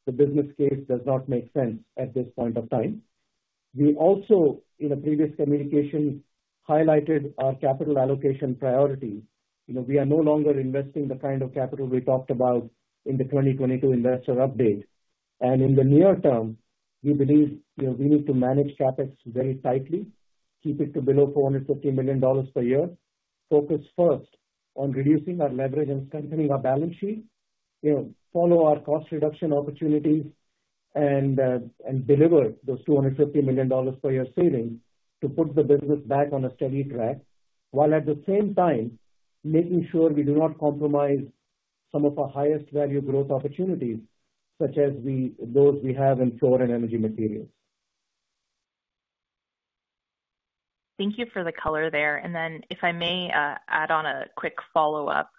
[SPEAKER 3] the business case does not make sense at this point of time. We also, in a previous communication, highlighted our capital allocation priority. You know, we are no longer investing the kind of capital we talked about in the 2022 investor update. And in the near term, we believe, you know, we need to manage CapEx very tightly, keep it to below $450 million per year, focus first on reducing our leverage and strengthening our balance sheet. You know, follow our cost reduction opportunities and deliver those $250 million per year savings to put the business back on a steady track, while at the same time making sure we do not compromise some of our highest value growth opportunities, such as those we have in Fluor and Energy Materials.
[SPEAKER 9] Thank you for the color there. And then, if I may, add on a quick follow-up.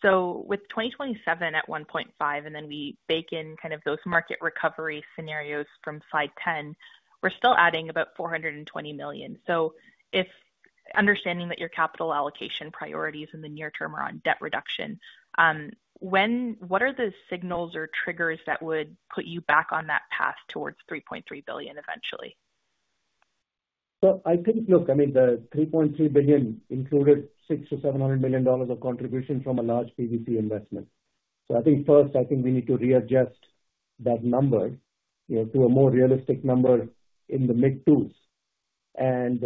[SPEAKER 9] So with 2027 at $1.5 billion, and then we bake in kind of those market recovery scenarios from slide 10, we're still adding about $420 million. So, if understanding that your capital allocation priorities in the near term are on debt reduction, what are the signals or triggers that would put you back on that path towards $3.3 billion eventually?
[SPEAKER 3] So I think, look, I mean, the $3.3 billion included $600 million-$700 million of contribution from a large PVC investment. I think first, we need to readjust that number, you know, to a more realistic number in the mid-2s. And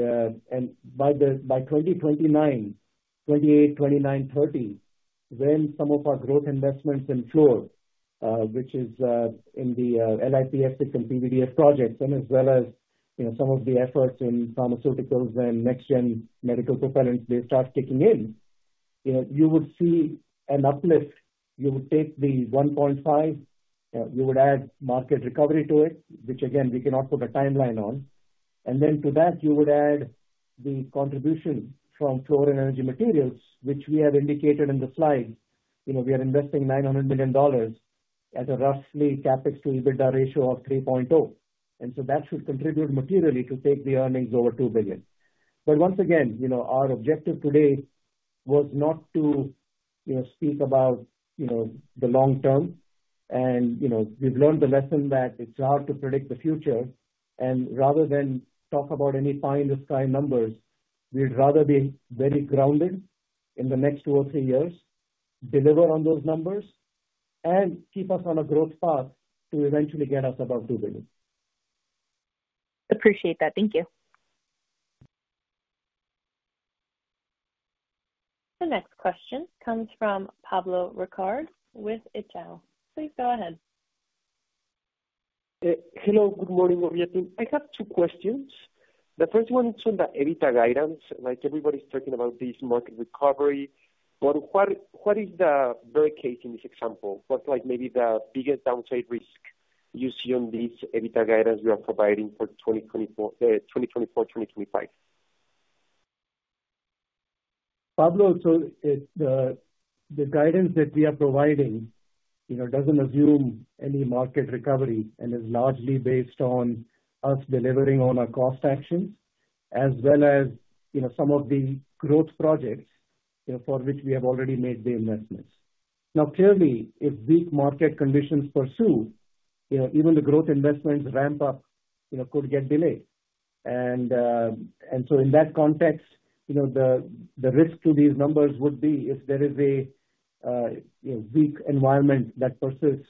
[SPEAKER 3] by 2028, 2029, 2030, when some of our growth investments in Fluor, which is in the LiPF6 and PVDF projects, and as well as, you know, some of the efforts in pharmaceuticals and next-gen medical propellants, they start kicking in, you know, you would see an uplift. You would take the $1.5 billion, we would add market recovery to it, which again, we cannot put a timeline on. And then to that, you would add the contribution from Fluor and Energy Materials, which we have indicated in the slide. You know, we are investing $900 million at a roughly CapEx to EBITDA ratio of 3.0. And so that should contribute materially to take the earnings over $2 billion. But once again, you know, our objective today was not to, you know, speak about, you know, the long term. And, you know, we've learned the lesson that it's hard to predict the future, and rather than talk about any pie in the sky numbers, we'd rather be very grounded in the next two or three years, deliver on those numbers, and keep us on a growth path to eventually get us above $2 billion.
[SPEAKER 9] Appreciate that. Thank you.
[SPEAKER 1] The next question comes from Pablo Ricalde with Itaú. Please go ahead.
[SPEAKER 10] Hello, good morning, everyone. I have two questions. The first one is on the EBITDA guidance. Like, everybody's talking about this market recovery, but what is the bear case in this example? What's like maybe the biggest downside risk you see on this EBITDA guidance you are providing for 2024, 2025?
[SPEAKER 3] Pablo, so, the guidance that we are providing, you know, doesn't assume any market recovery and is largely based on us delivering on our cost actions, as well as, you know, some of the growth projects, you know, for which we have already made the investments. Now, clearly, if weak market conditions persist, you know, even the growth investments ramp up, you know, could get delayed. And so in that context, you know, the risk to these numbers would be if there is a, you know, weak environment that persists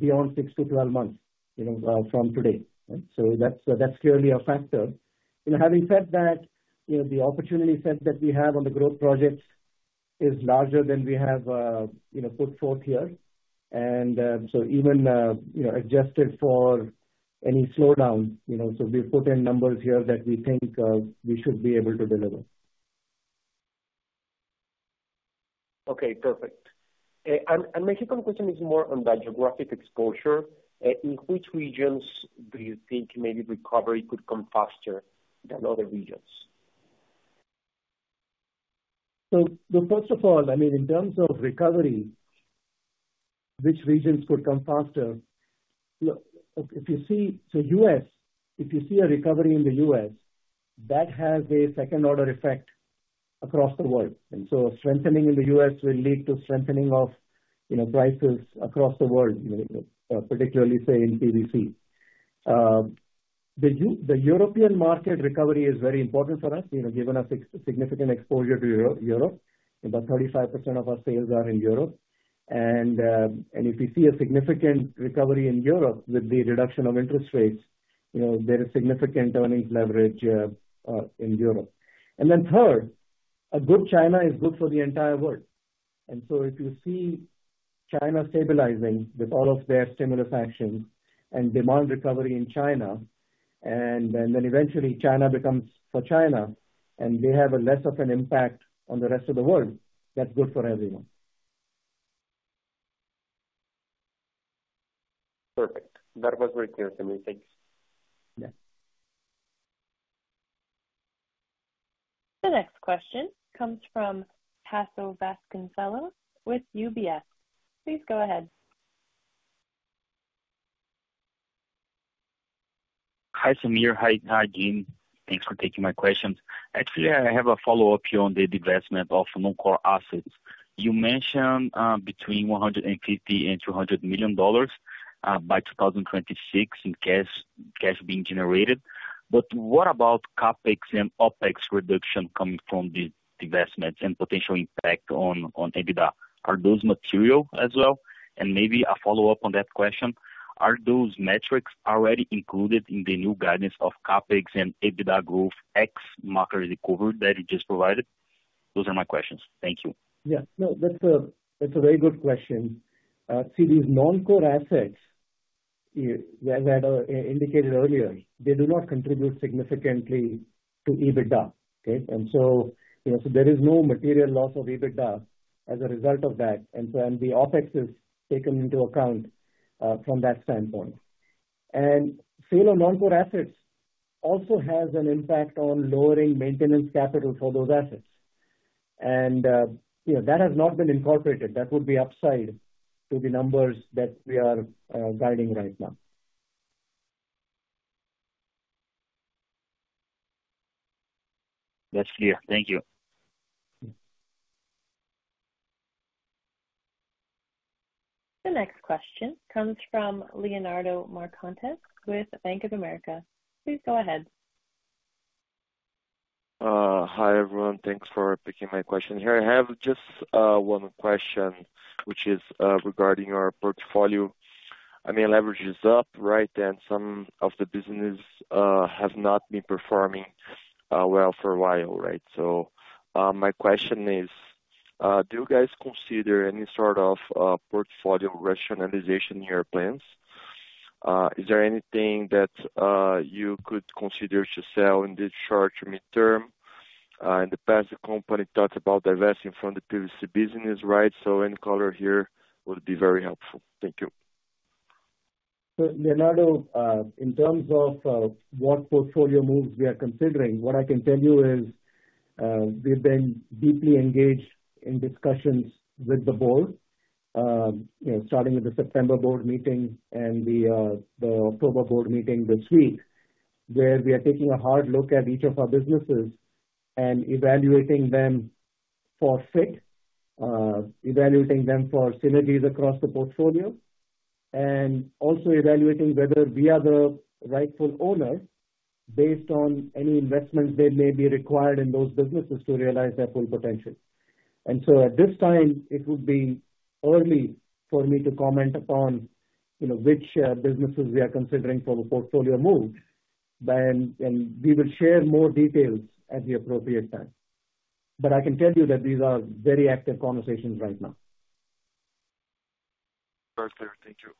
[SPEAKER 3] beyond six to twelve months, you know, from today. So that's clearly a factor. You know, having said that, you know, the opportunity set that we have on the growth projects is larger than we have, you know, put forth here. So even, you know, adjusted for any slowdown, you know, so we've put in numbers here that we think we should be able to deliver.
[SPEAKER 10] Okay, perfect. And my second question is more on the geographic exposure. In which regions do you think maybe recovery could come faster than other regions?
[SPEAKER 3] First of all, I mean, in terms of recovery, which regions could come faster? Look, if you see the U.S., if you see a recovery in the U.S., that has a second-order effect across the world. And so strengthening in the U.S. will lead to strengthening of, you know, prices across the world, you know, particularly, say, in PVC. The European market recovery is very important for us, you know, given our significant exposure to Europe. About 35% of our sales are in Europe. And if you see a significant recovery in Europe with the reduction of interest rates, you know, there is significant earnings leverage in Europe. Then third, a good China is good for the entire world. And so if you see China stabilizing with all of their stimulus actions and demand recovery in China, and then eventually China becomes for China, and they have a less of an impact on the rest of the world, that's good for everyone.
[SPEAKER 10] Perfect. That was very clear to me. Thanks.
[SPEAKER 3] Yeah.
[SPEAKER 1] The next question comes from Tasso Vasconcellos with UBS. Please go ahead.
[SPEAKER 11] Hi, Sameer. Hi, hi, team. Thanks for taking my questions. Actually, I have a follow-up here on the divestment of non-core assets. You mentioned, between $150 million and $200 million by 2026 in cash, cash being generated. But what about CapEx and OpEx reduction coming from the divestments and potential impact on, on EBITDA? Are those material as well? And maybe a follow-up on that question, are those metrics already included in the new guidance of CapEx and EBITDA growth ex market recovery that you just provided? Those are my questions. Thank you.
[SPEAKER 3] Yeah. No, that's a very good question. See, these non-core assets, as I had indicated earlier, they do not contribute significantly to EBITDA, okay? And so, you know, so there is no material loss of EBITDA as a result of that, and so, and the OpEx is taken into account from that standpoint. And sale of non-core assets also has an impact on lowering maintenance capital for those assets. And, you know, that has not been incorporated. That would be upside to the numbers that we are guiding right now.
[SPEAKER 11] That's clear. Thank you.
[SPEAKER 3] Yeah.
[SPEAKER 1] The next question comes from Leonardo Marcondes with Bank of America. Please go ahead.
[SPEAKER 12] Hi, everyone. Thanks for taking my question here. I have just one question, which is regarding your portfolio. I mean, leverage is up, right? And some of the business has not been performing well for a while, right? So my question is, do you guys consider any sort of portfolio rationalization in your plans? Is there anything that you could consider to sell in the short to midterm? In the past, the company talked about divesting from the PVC business, right? So any color here would be very helpful. Thank you.
[SPEAKER 3] So, Leonardo, in terms, what portfolio moves we are considering, what I can tell you is. We've been deeply engaged in discussions with the board, you know, starting with the September board meeting and the October board meeting this week, where we are taking a hard look at each of our businesses and evaluating them for fit, evaluating them for synergies across the portfolio, and also evaluating whether we are the rightful owner based on any investments that may be required in those businesses to realize their full potential. And so at this time, it would be early for me to comment upon, you know, which businesses we are considering for the portfolio move, but and we will share more details at the appropriate time. But I can tell you that these are very active conversations right now.
[SPEAKER 12] Very clear. Thank you.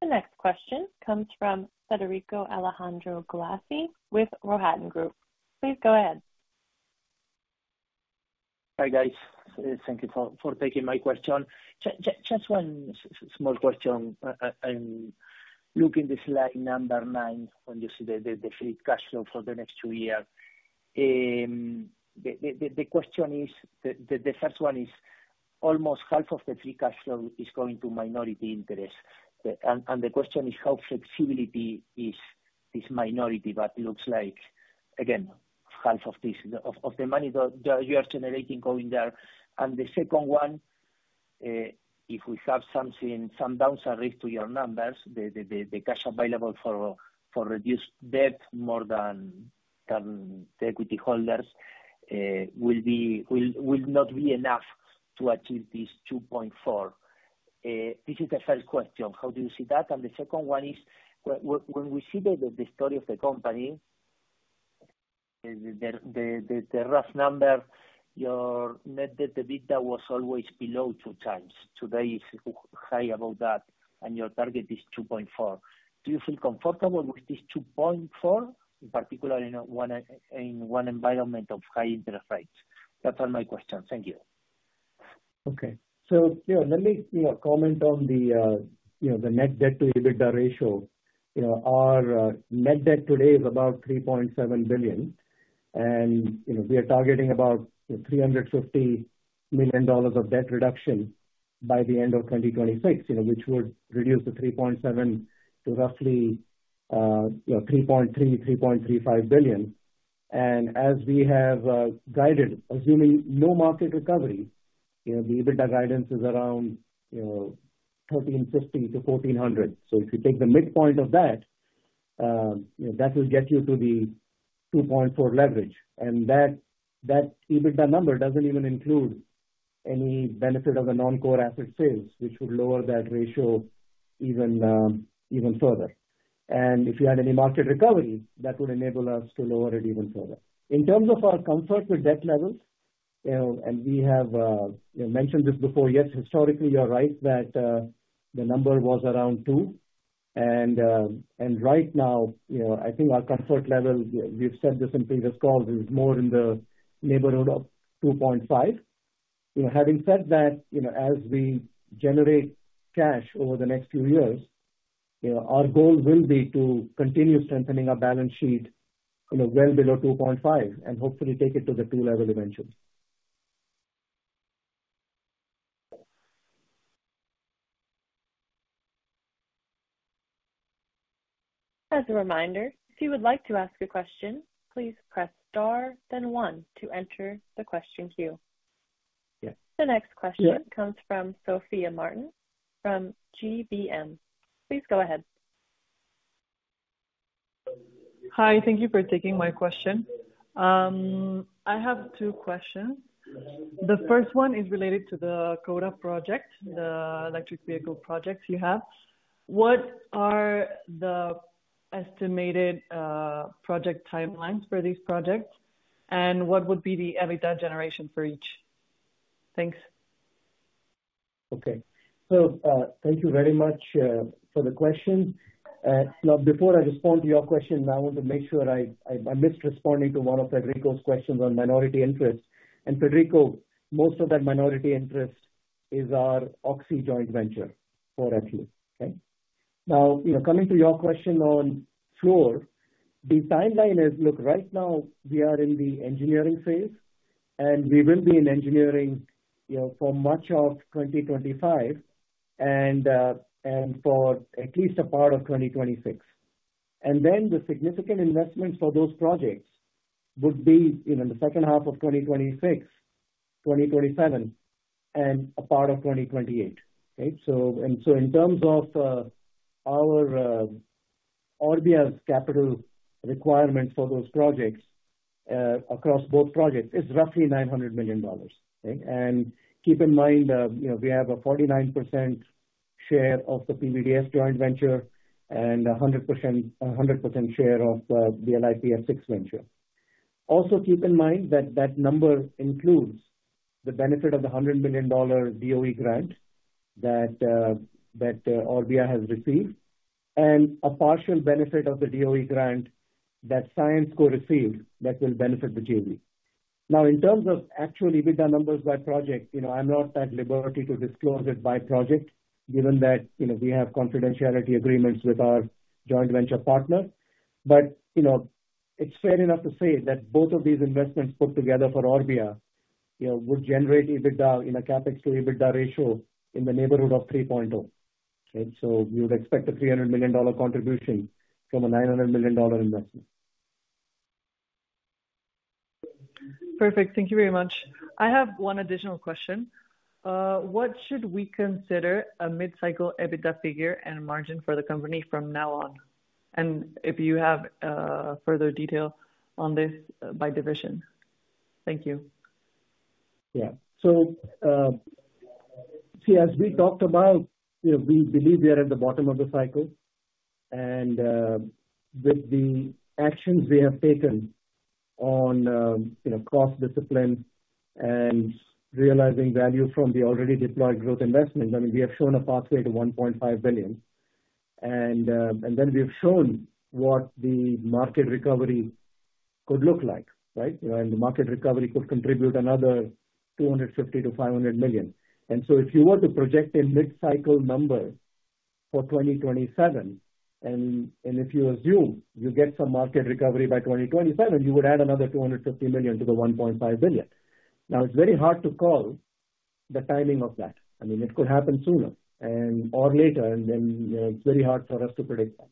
[SPEAKER 1] The next question comes from Federico Alejandro Galassi with Rohatyn Group. Please go ahead.
[SPEAKER 13] Hi, guys. Thank you for taking my question. Just one small question. I'm looking the slide number nine, when you see the free cash flow for the next two year. The question is, the first one is, almost half of the free cash flow is going to minority interest. And the question is: How flexibility is this minority? But it looks like, again, half of this, of the money that you are generating going there. And the second one, if we have something, some downside risk to your numbers, the cash available for reduced debt more than the equity holders will be not be enough to achieve this two point four. This is the first question: How do you see that? And the second one is, when we see the rough number, your net debt to EBITDA was always below two times. Today is high above that, and your target is 2.4. Do you feel comfortable with this 2.4, in particular in a one environment of high interest rates? That are my questions. Thank you.
[SPEAKER 3] Okay. So, you know, let me, you know, comment on the, you know, the net debt to EBITDA ratio. You know, our net debt today is about $3.7 billion, and, you know, we are targeting about $350 million of debt reduction by the end of 2026, you know, which would reduce the $3.7 billion to roughly, you know, $3.3-$3.35 billion. And as we have guided, assuming no market recovery, you know, the EBITDA guidance is around, you know, 1,350-1,400. So if you take the midpoint of that, you know, that will get you to the 2.4 leverage. And that EBITDA number doesn't even include any benefit of the non-core asset sales, which would lower that ratio even further. If you had any market recovery, that would enable us to lower it even further. In terms of our comfort with debt levels, you know, and we have, you know, mentioned this before, yes, historically, you're right that, the number was around two. Right now, you know, I think our comfort level, we, we've said this in previous calls, is more in the neighborhood of two point five. You know, having said that, you know, as we generate cash over the next few years, you know, our goal will be to continue strengthening our balance sheet, you know, well below two point five, and hopefully take it to the two level eventually.
[SPEAKER 1] As a reminder, if you would like to ask a question, please press Star, then One to enter the question queue.
[SPEAKER 3] Yes.
[SPEAKER 1] The next question comes from Sofia Martin from GBM. Please go ahead.
[SPEAKER 14] Hi, thank you for taking my question. I have two questions. The first one is related to the Koura project, the electric vehicle projects you have. What are the estimated project timelines for these projects, and what would be the EBITDA generation for each? Thanks.
[SPEAKER 3] Okay. Thank you very much for the question. Now, before I respond to your question, I want to make sure I missed responding to one of Federico's questions on minority interest. Federico, most of that minority interest is our Oxy joint venture for FU, okay? Now, you know, coming to your question on fluor, the timeline is. Look, right now we are in the engineering phase, and we will be in engineering, you know, for much of 2025 and for at least a part of 2026. Then the significant investments for those projects would be, you know, in the second half of 2026, 2027, and a part of 2028. Okay? In terms of our Orbia's capital requirement for those projects, across both projects, is roughly $900 million. And keep in mind, you know, we have a 49% share of the PVDS joint venture and a 100%, a 100% share of the LiPF6 venture. Also, keep in mind that that number includes the benefit of the $100 million DOE grant that that Orbia has received, and a partial benefit of the DOE grant that Syensqo received that will benefit the JV. Now, in terms of actual EBITDA numbers by project, you know, I'm not at liberty to disclose it by project, given that, you know, we have confidentiality agreements with our joint venture partner. But, you know, it's fair enough to say that both of these investments put together for Orbia, you know, would generate EBITDA in a CapEx to EBITDA ratio in the neighborhood of 3.2, right? So we would expect a $300 million contribution from a $900 million investment.
[SPEAKER 14] Perfect. Thank you very much. I have one additional question. What should we consider a mid-cycle EBITDA figure and margin for the company from now on? And if you have further detail on this by division? Thank you.
[SPEAKER 3] Yeah. So, see, as we talked about, you know, we believe we are at the bottom of the cycle, and, with the actions we have taken on, you know, cost discipline and realizing value from the already deployed growth investment, I mean, we have shown a pathway to $1.5 billion. And then we have shown what the market recovery could look like, right? And the market recovery could contribute another $250 million to $500 million. And so if you were to project a mid-cycle number for 2027, and if you assume you get some market recovery by 2027, you would add another $250 million to the $1.5 billion. Now, it's very hard to call the timing of that.I mean, it could happen sooner and or later, and then, it's very hard for us to predict that.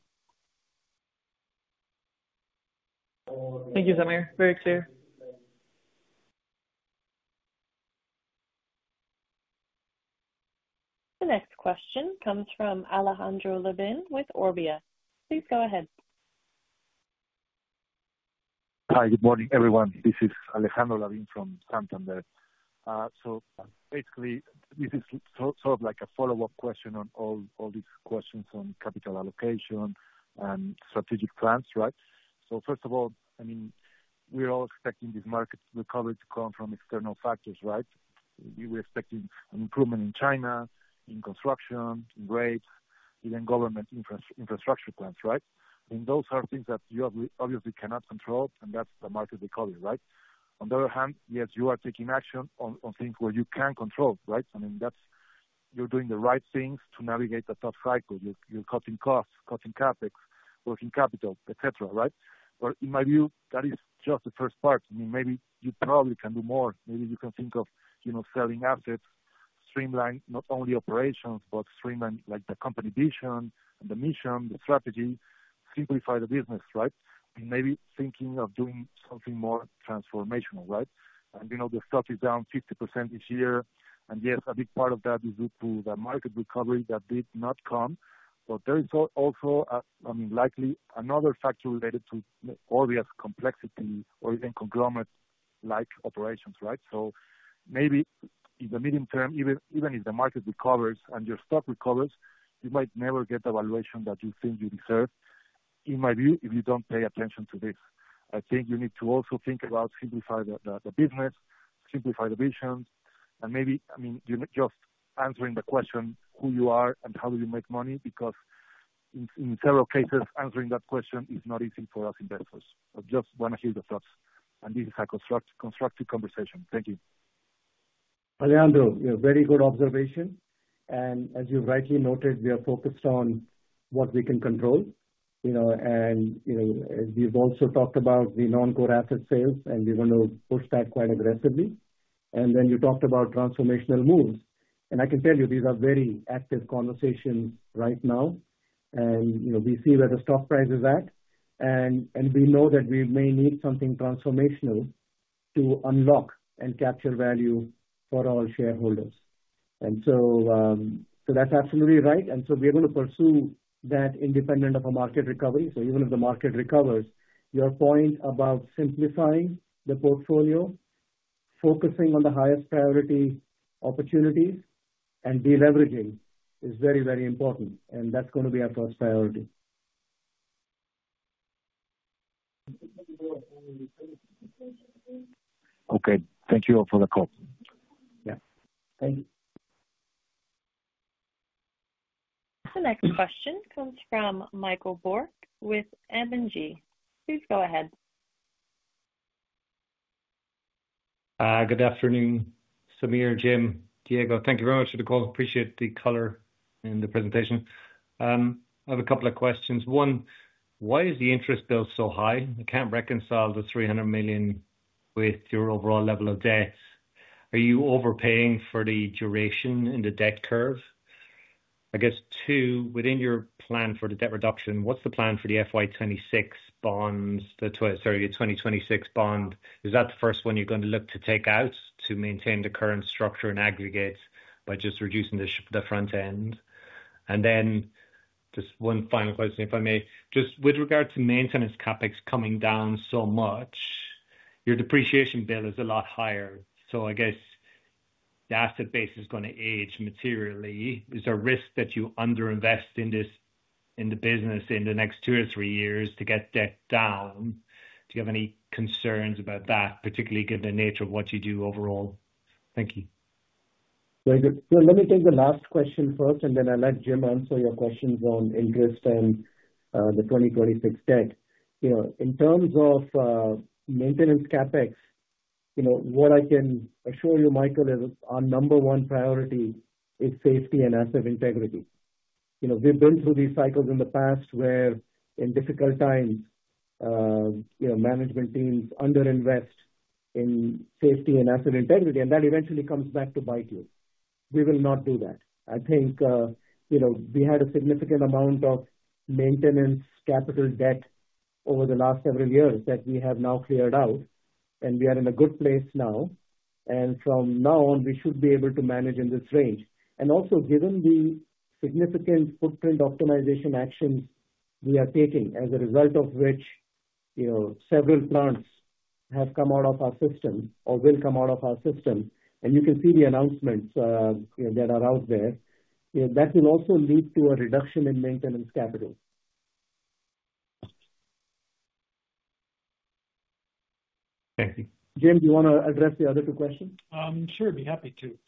[SPEAKER 14] Thank you, Sameer. Very clear.
[SPEAKER 1] The next question comes from Alejandro Lavin with Santander. Please go ahead.
[SPEAKER 15] Hi, good morning, everyone. This is Alejandro Lavin from Santander, so basically, this is sort of like a follow-up question on all these questions on capital allocation and strategic plans, right? So first of all, I mean, we're all expecting this market recovery to come from external factors, right? We were expecting an improvement in China, in construction, in rates, even government infrastructure plans, right? And those are things that you obviously cannot control, and that's the market recovery, right? On the other hand, yes, you are taking action on things where you can control, right? I mean, that's. You're doing the right things to navigate a tough cycle. You're cutting costs, cutting CapEx, working capital, et cetera, right? But in my view, that is just the first part. I mean, maybe you probably can do more. Maybe you can think of, you know, selling assets, streamline not only operations, but streamline, like, the company vision and the mission, the strategy, simplify the business, right? And maybe thinking of doing something more transformational, right? And, you know, the stock is down 50% this year, and yes, a big part of that is due to the market recovery that did not come. But there is also, I mean, likely another factor related to Orbia's complexity or even conglomerate-like operations, right? So maybe in the medium term, even if the market recovers and your stock recovers, you might never get the valuation that you think you deserve, in my view, if you don't pay attention to this. I think you need to also think about simplify the business, simplify the vision, and maybe, I mean, you know, just answering the question, who you are and how do you make money? Because in several cases, answering that question is not easy for us investors. I just want to hear your thoughts, and this is a constructive conversation. Thank you.
[SPEAKER 3] Alejandro, yeah, very good observation. And as you rightly noted, we are focused on what we can control, you know, and, you know, we've also talked about the non-core asset sales, and we're going to push that quite aggressively. And then you talked about transformational moves. And I can tell you, these are very active conversations right now. And, you know, we see where the stock price is at, and we know that we may need something transformational to unlock and capture value for all shareholders. And so, that's absolutely right. And so we are going to pursue that independent of a market recovery. So even if the market recovers, your point about simplifying the portfolio, focusing on the highest priority opportunities and deleveraging is very, very important, and that's going to be our first priority.
[SPEAKER 15] Okay. Thank you all for the call.
[SPEAKER 3] Yeah. Thank you.
[SPEAKER 1] The next question comes from Michael Bourke with M&G. Please go ahead.
[SPEAKER 16] Good afternoon, Sameer, Jim, Diego. Thank you very much for the call. Appreciate the color in the presentation. I have a couple of questions. One, why is the interest bill so high? I can't reconcile the $300 million with your overall level of debt. Are you overpaying for the duration in the debt curve? I guess, two, within your plan for the debt reduction, what's the plan for the FY 2026 bonds, the 2026 bond? Is that the first one you're going to look to take out to maintain the current structure and aggregate by just reducing the front end? And then just one final question, if I may. Just with regard to maintenance CapEx coming down so much, your depreciation bill is a lot higher, so I guess the asset base is going to age materially. Is there a risk that you underinvest in this, in the business in the next two or three years to get debt down? Do you have any concerns about that, particularly given the nature of what you do overall? Thank you.
[SPEAKER 3] Very good, so let me take the last question first, and then I'll let Jim answer your questions on interest and the 2026 debt. You know, in terms of maintenance CapEx, you know, what I can assure you, Michael, is our number one priority is safety and asset integrity. You know, we've been through these cycles in the past where in difficult times, you know, management teams underinvest in safety and asset integrity, and that eventually comes back to bite you. We will not do that. I think, you know, we had a significant amount of maintenance capital debt over the last several years that we have now cleared out, and we are in a good place now, and from now on, we should be able to manage in this range. And also, given the significant footprint optimization actions we are taking, as a result of which, you know, several plants have come out of our system or will come out of our system, and you can see the announcements that are out there. That will also lead to a reduction in maintenance capital.
[SPEAKER 16] Thank you.
[SPEAKER 3] Jim, do you want to address the other two questions?
[SPEAKER 4] Sure, be happy to.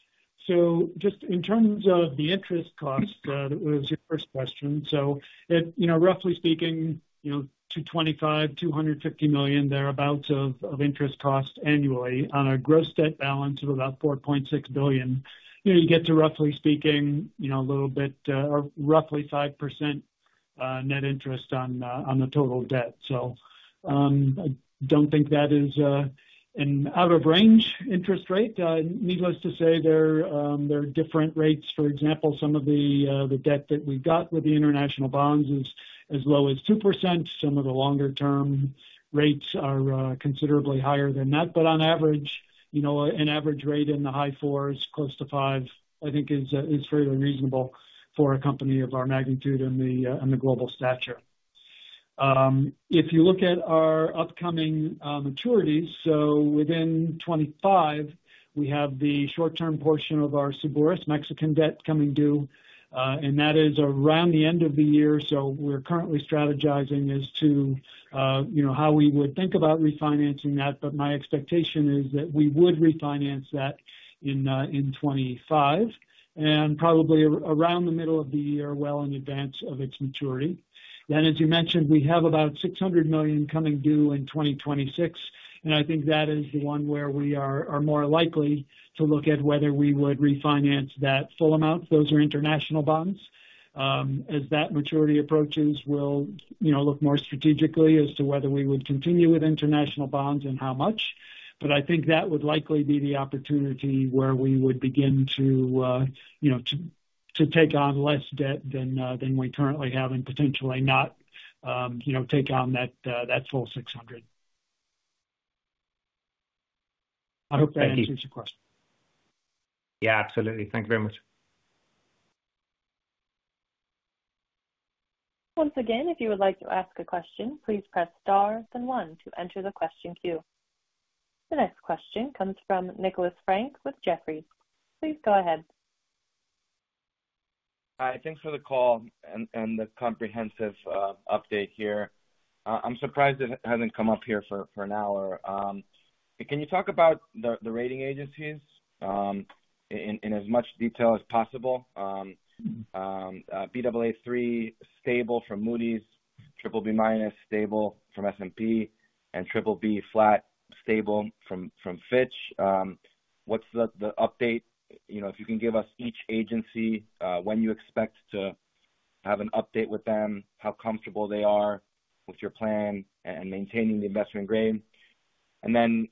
[SPEAKER 4] So just in terms of the interest cost, that was your first question. So it, you know, roughly speaking, you know, $225 million-$250 million thereabouts of interest cost annually on a gross debt balance of about $4.6 billion. You know, you get to, roughly speaking, you know, a little bit, or roughly 5% net interest on the total debt. So, I don't think that is an out-of-range interest rate. Needless to say, there are different rates. For example, some of the debt that we got with the international bonds is as low as 2%. Some of the longer-term rates are considerably higher than that, but on average, you know, an average rate in the high fours, close to five, I think is fairly reasonable for a company of our magnitude and the and the global stature. If you look at our upcoming maturities, so within 2025, we have the short-term portion of our Cebures Mexican debt coming due, and that is around the end of the year. We're currently strategizing as to, you know, how we would think about refinancing that, but my expectation is that we would refinance that in 2025 and probably around the middle of the year, well in advance of its maturity. As you mentioned, we have about $600 million coming due in 2026, and I think that is the one where we are more likely to look at whether we would refinance that full amount. Those are international bonds. As that maturity approaches, we'll, you know, look more strategically as to whether we would continue with international bonds and how much. But I think that would likely be the opportunity where we would begin to, you know, take on less debt than we currently have and potentially not, you know, take on that full $600. I hope that answers your question.
[SPEAKER 16] Yeah, absolutely. Thank you very much.
[SPEAKER 1] Once again, if you would like to ask a question, please press Star and One to enter the question queue. The next question comes from Nicolas Frank with Jefferies. Please go ahead.
[SPEAKER 17] Hi, thanks for the call and the comprehensive update here. I'm surprised it hasn't come up here for an hour. Can you talk about the rating agencies in as much detail as possible? Baa3 stable from Moody's, BBB- stable from S&P, and BBB flat stable from Fitch. What's the update? You know, if you can give us each agency when you expect to have an update with them, how comfortable they are with your plan and maintaining the investment grade. And then,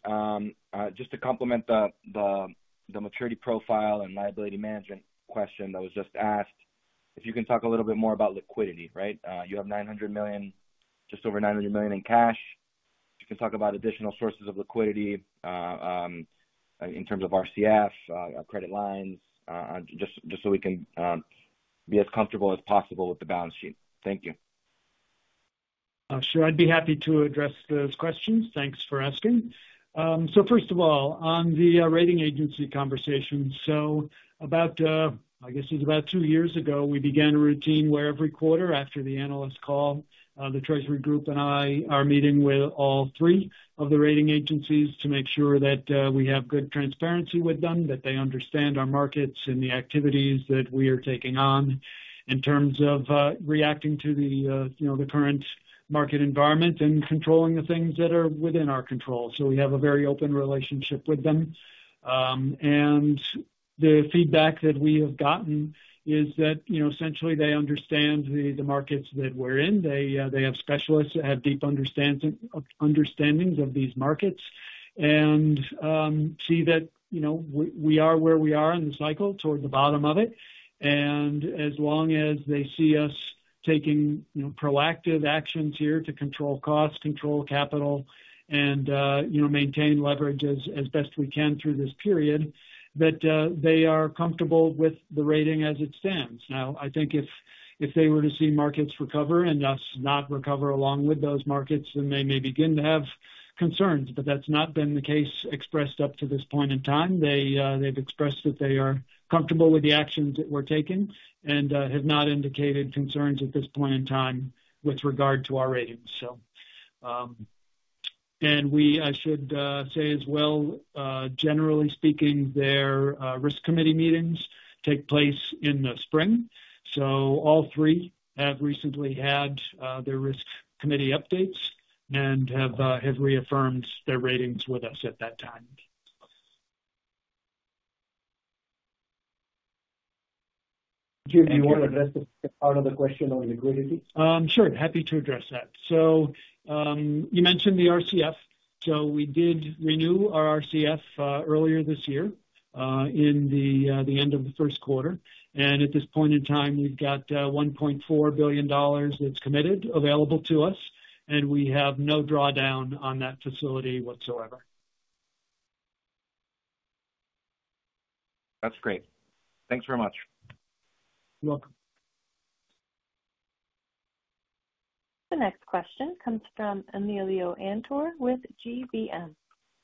[SPEAKER 17] just to complement the maturity profile and liability management question that was just asked, if you can talk a little bit more about liquidity, right? You have $900 million, just over $900 million in cash. If you can talk about additional sources of liquidity, in terms of RCF, credit lines, just so we can be as comfortable as possible with the balance sheet. Thank you.
[SPEAKER 4] Sure. I'd be happy to address those questions. Thanks for asking. So first of all, on the rating agency conversation, so about, I guess it's about two years ago, we began a routine where every quarter after the analyst call, the treasury group and I are meeting with all three of the rating agencies to make sure that we have good transparency with them, that they understand our markets and the activities that we are taking on in terms of reacting to the, you know, the current market environment and controlling the things that are within our control. So we have a very open relationship with them. And the feedback that we have gotten is that, you know, essentially they understand the markets that we're in. They, they have specialists that have deep understanding, understandings of these markets and, see that, you know, we are where we are in the cycle, towards the bottom of it. And as long as they see us taking, you know, proactive actions here to control costs, control capital, and, you know, maintain leverage as best we can through this period, that, they are comfortable with the rating as it stands. Now, I think if they were to see markets recover and us not recover along with those markets, then they may begin to have concerns, but that's not been the case expressed up to this point in time. They, they've expressed that they are comfortable with the actions that we're taking and, have not indicated concerns at this point in time with regard to our ratings. So. We, I should say as well, generally speaking, their risk committee meetings take place in the spring. All three have recently had their risk committee updates and have reaffirmed their ratings with us at that time.
[SPEAKER 3] Jim, do you want to address the part of the question on liquidity?
[SPEAKER 4] Sure. Happy to address that. So, you mentioned the RCF. So we did renew our RCF earlier this year in the end of the first quarter. And at this point in time, we've got $1.4 billion that's committed, available to us, and we have no drawdown on that facility whatsoever.
[SPEAKER 17] That's great. Thanks very much.
[SPEAKER 4] You're welcome.
[SPEAKER 1] The next question comes from Emilio Antor with GBM.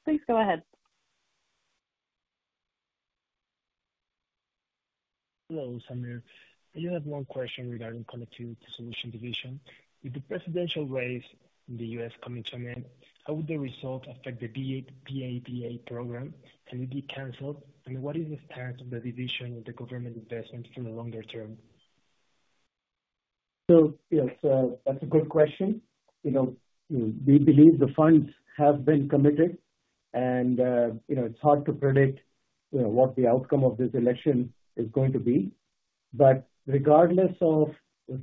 [SPEAKER 1] Please go ahead.
[SPEAKER 18] Hello, Sameer. I just have one question regarding Connectivity Solutions division. With the presidential race in the U.S. coming to an end, how would the result affect the BEAD program? Can it be canceled? And what is the impact on the division of the government investments in the longer term?
[SPEAKER 3] So, yes, that's a good question. You know, we believe the funds have been committed, and, you know, it's hard to predict, you know, what the outcome of this election is going to be. But regardless of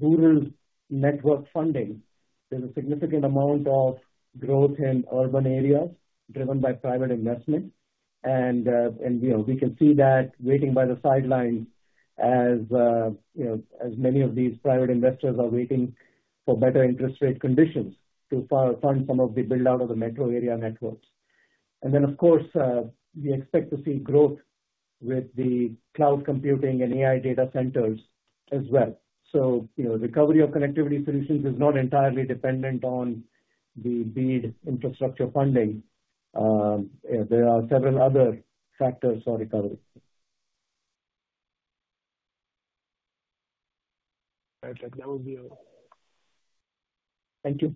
[SPEAKER 3] rural network funding, there's a significant amount of growth in urban areas driven by private investment. And, you know, we can see that waiting by the sidelines as, you know, as many of these private investors are waiting for better interest rate conditions to fund some of the build-out of the metro area networks. And then, of course, we expect to see growth with the cloud computing and AI data centers as well. So, you know, recovery of Connectivity Solutions is not entirely dependent on the BEAD infrastructure funding. There are several other factors for recovery.
[SPEAKER 18] Perfect. That was it.
[SPEAKER 3] Thank you.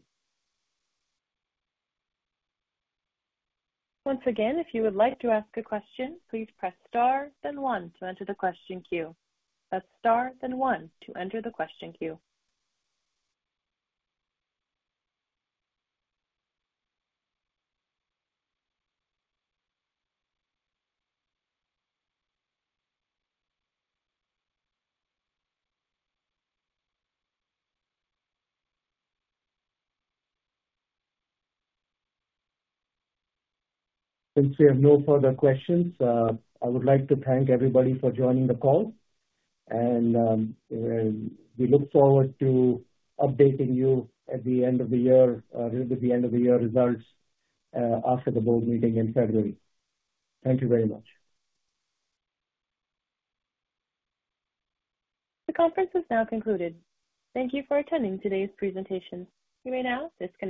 [SPEAKER 1] Once again, if you would like to ask a question, please press star, then one to enter the question queue. That's star, then one to enter the question queue.
[SPEAKER 3] Since we have no further questions, I would like to thank everybody for joining the call, and we look forward to updating you at the end of the year with the end-of-the-year results after the board meeting in February. Thank you very much.
[SPEAKER 1] The conference is now concluded. Thank you for attending today's presentation. You may now disconnect.